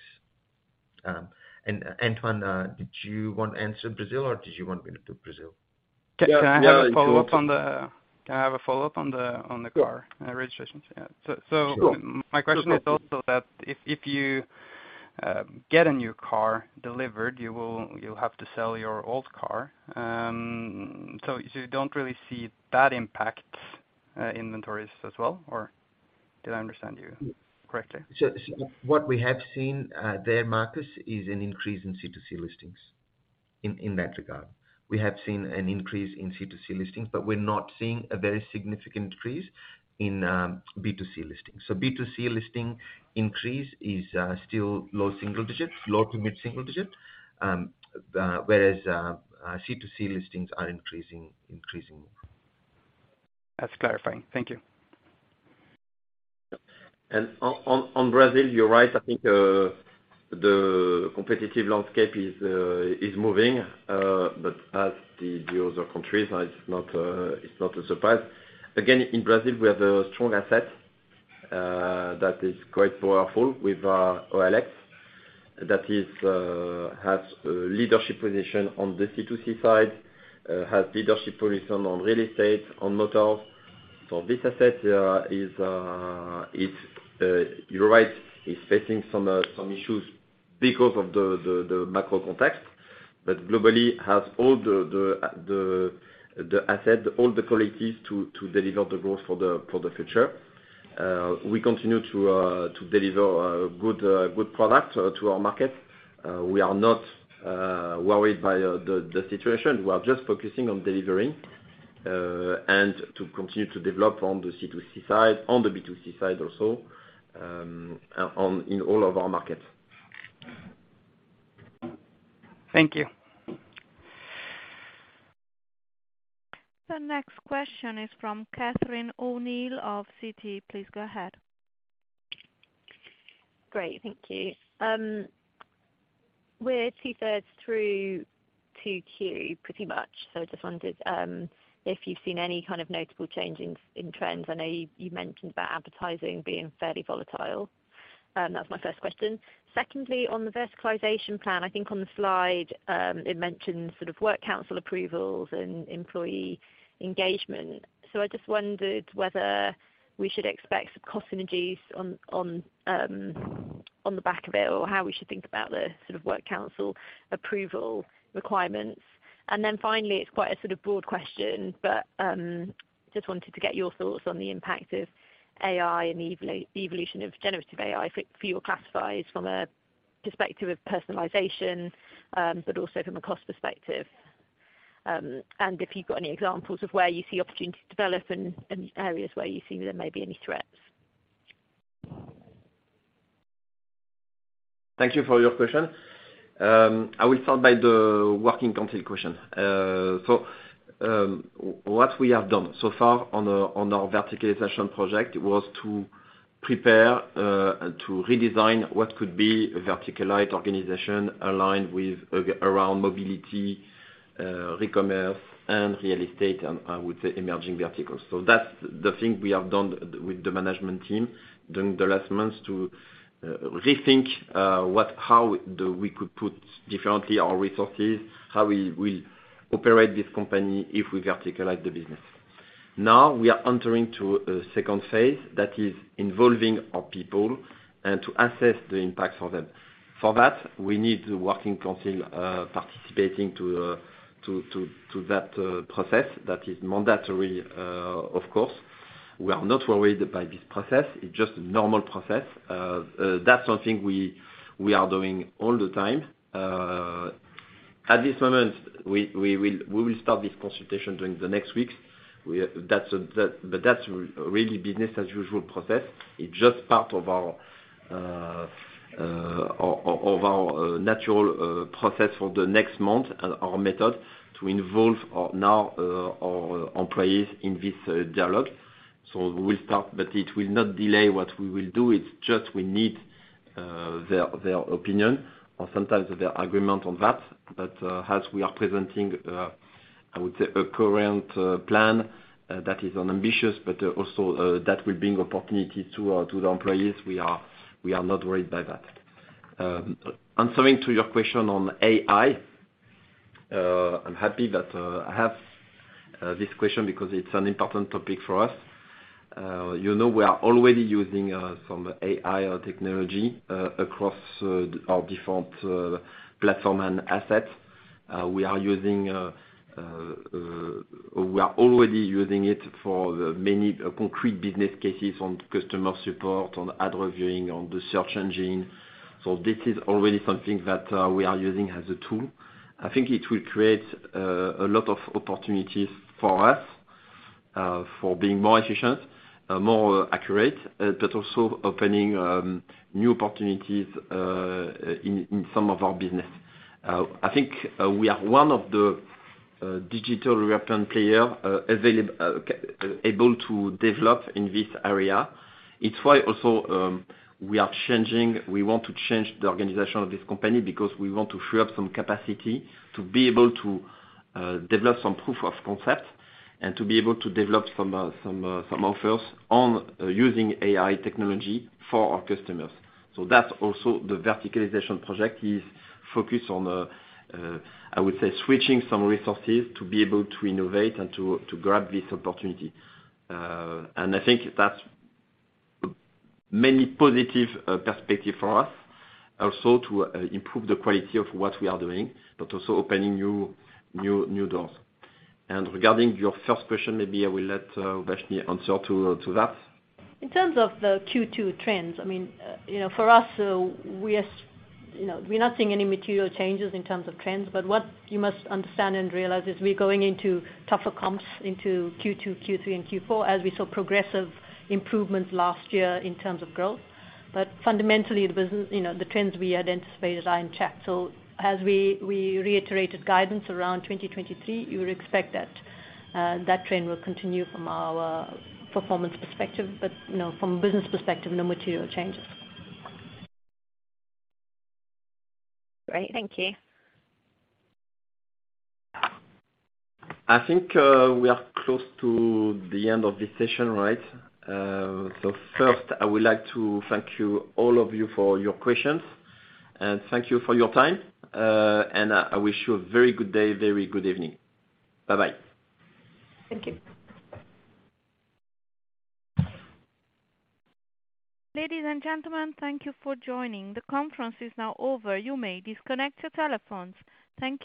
Antoine, did you want to answer Brazil or did you want me to do Brazil? Yeah, yeah. Can I have a follow-up on the car registrations? Yeah. Sure. My question is also that if you get a new car delivered, you'll have to sell your old car. You don't really see that impact, inventories as well? Or did I understand you correctly? What we have seen there, Marcus, is an increase in C2C listings in that regard. We have seen an increase in C2C listings, but we're not seeing a very significant increase in B2C listings. B2C listing increase is still low single digits, low to mid single digits. Whereas C2C listings are increasing. That's clarifying. Thank you. On Brazil, you're right. I think the competitive landscape is moving, as the other countries, it's not a surprise. Again, in Brazil we have a strong asset that is quite powerful with OLX. That has leadership position on the C2C side, has leadership position on real estate, on motors. This asset is, You're right, it's facing some issues because of the macro context. Globally has all the asset, all the qualities to deliver the growth for the future. We continue to deliver good product to our market. We are not worried by the situation. We are just focusing on delivering, and to continue to develop on the C2C side, on the B2C side also, in all of our markets. Thank you. The next question is from Catherine O'Neill of Citi. Please go ahead. Great. Thank you. We're two-thirds through 2Q, pretty much. I just wondered if you've seen any kind of notable change in trends. I know you mentioned about advertising being fairly volatile. That's my first question. Secondly, on the verticalization plan, I think on the slide, it mentions sort of work council approvals and employee engagement. I just wondered whether we should expect some cost synergies on the back of it or how we should think about the sort of work council approval requirements. Finally, it's quite a sort of broad question, but just wanted to get your thoughts on the impact of AI and the evolution of generative AI for your classifieds from a perspective of personalization, but also from a cost perspective. If you've got any examples of where you see opportunities to develop and areas where you see there may be any threats? Thank you for your question. I will start by the working council question. What we have done so far on our verticalization project was to prepare to redesign what could be a verticalized organization aligned around mobility, recommerce and real estate and I would say emerging verticals. That's the thing we have done with the management team during the last months to rethink how do we could put differently our resources, how we will operate this company if we verticalize the business. We are entering to a second phase that is involving our people and to assess the impact for them. For that, we need the working council participating to that process. That is mandatory, of course. We are not worried by this process. It's just a normal process. That's something we are doing all the time. At this moment, we will start this consultation during the next weeks. That's really business as usual process. It's just part of our natural process for the next month and our method to involve our now our employees in this dialogue. We will start, but it will not delay what we will do. It's just we need their opinion or sometimes their agreement on that. As we are presenting, I would say a current plan that is unambitious, but also that will bring opportunity to the employees. We are not worried by that. Answering to your question on AI, I'm happy that I have this question because it's an important topic for us. You know, we are already using some AI technology across our different platform and assets. We are already using it for the many concrete business cases on customer support, on ad reviewing, on the search engine. This is already something that we are using as a tool. I think it will create a lot of opportunities for us for being more efficient, more accurate, but also opening new opportunities in some of our business. I think we are one of the digital weapon player able to develop in this area. It's why also we are changing. We want to change the organization of this company because we want to free up some capacity to be able to develop some proof of concept and to be able to develop some offers on using AI technology for our customers. That's also the verticalization project is focused on, I would say, switching some resources to be able to innovate and to grab this opportunity. I think that's many positive perspective for us also to improve the quality of what we are doing, but also opening new doors. Regarding your first question, maybe I will let Uvashni answer to that. In terms of the Q2 trends, I mean, you know, for us, you know, we're not seeing any material changes in terms of trends, but what you must understand and realize is we're going into tougher comps into Q2, Q3 and Q4 as we saw progressive improvements last year in terms of growth. Fundamentally, you know, the trends we had anticipated are on track. As we reiterated guidance around 2023, you would expect that that trend will continue from our performance perspective. You know, from a business perspective, no material changes. Great. Thank you. I think, we are close to the end of this session, right? First, I would like to thank you, all of you for your questions, and thank you for your time. I wish you a very good day, very good evening. Bye-bye. Thank you. Ladies and gentlemen, thank you for joining. The conference is now over. You may disconnect your telephones. Thank you.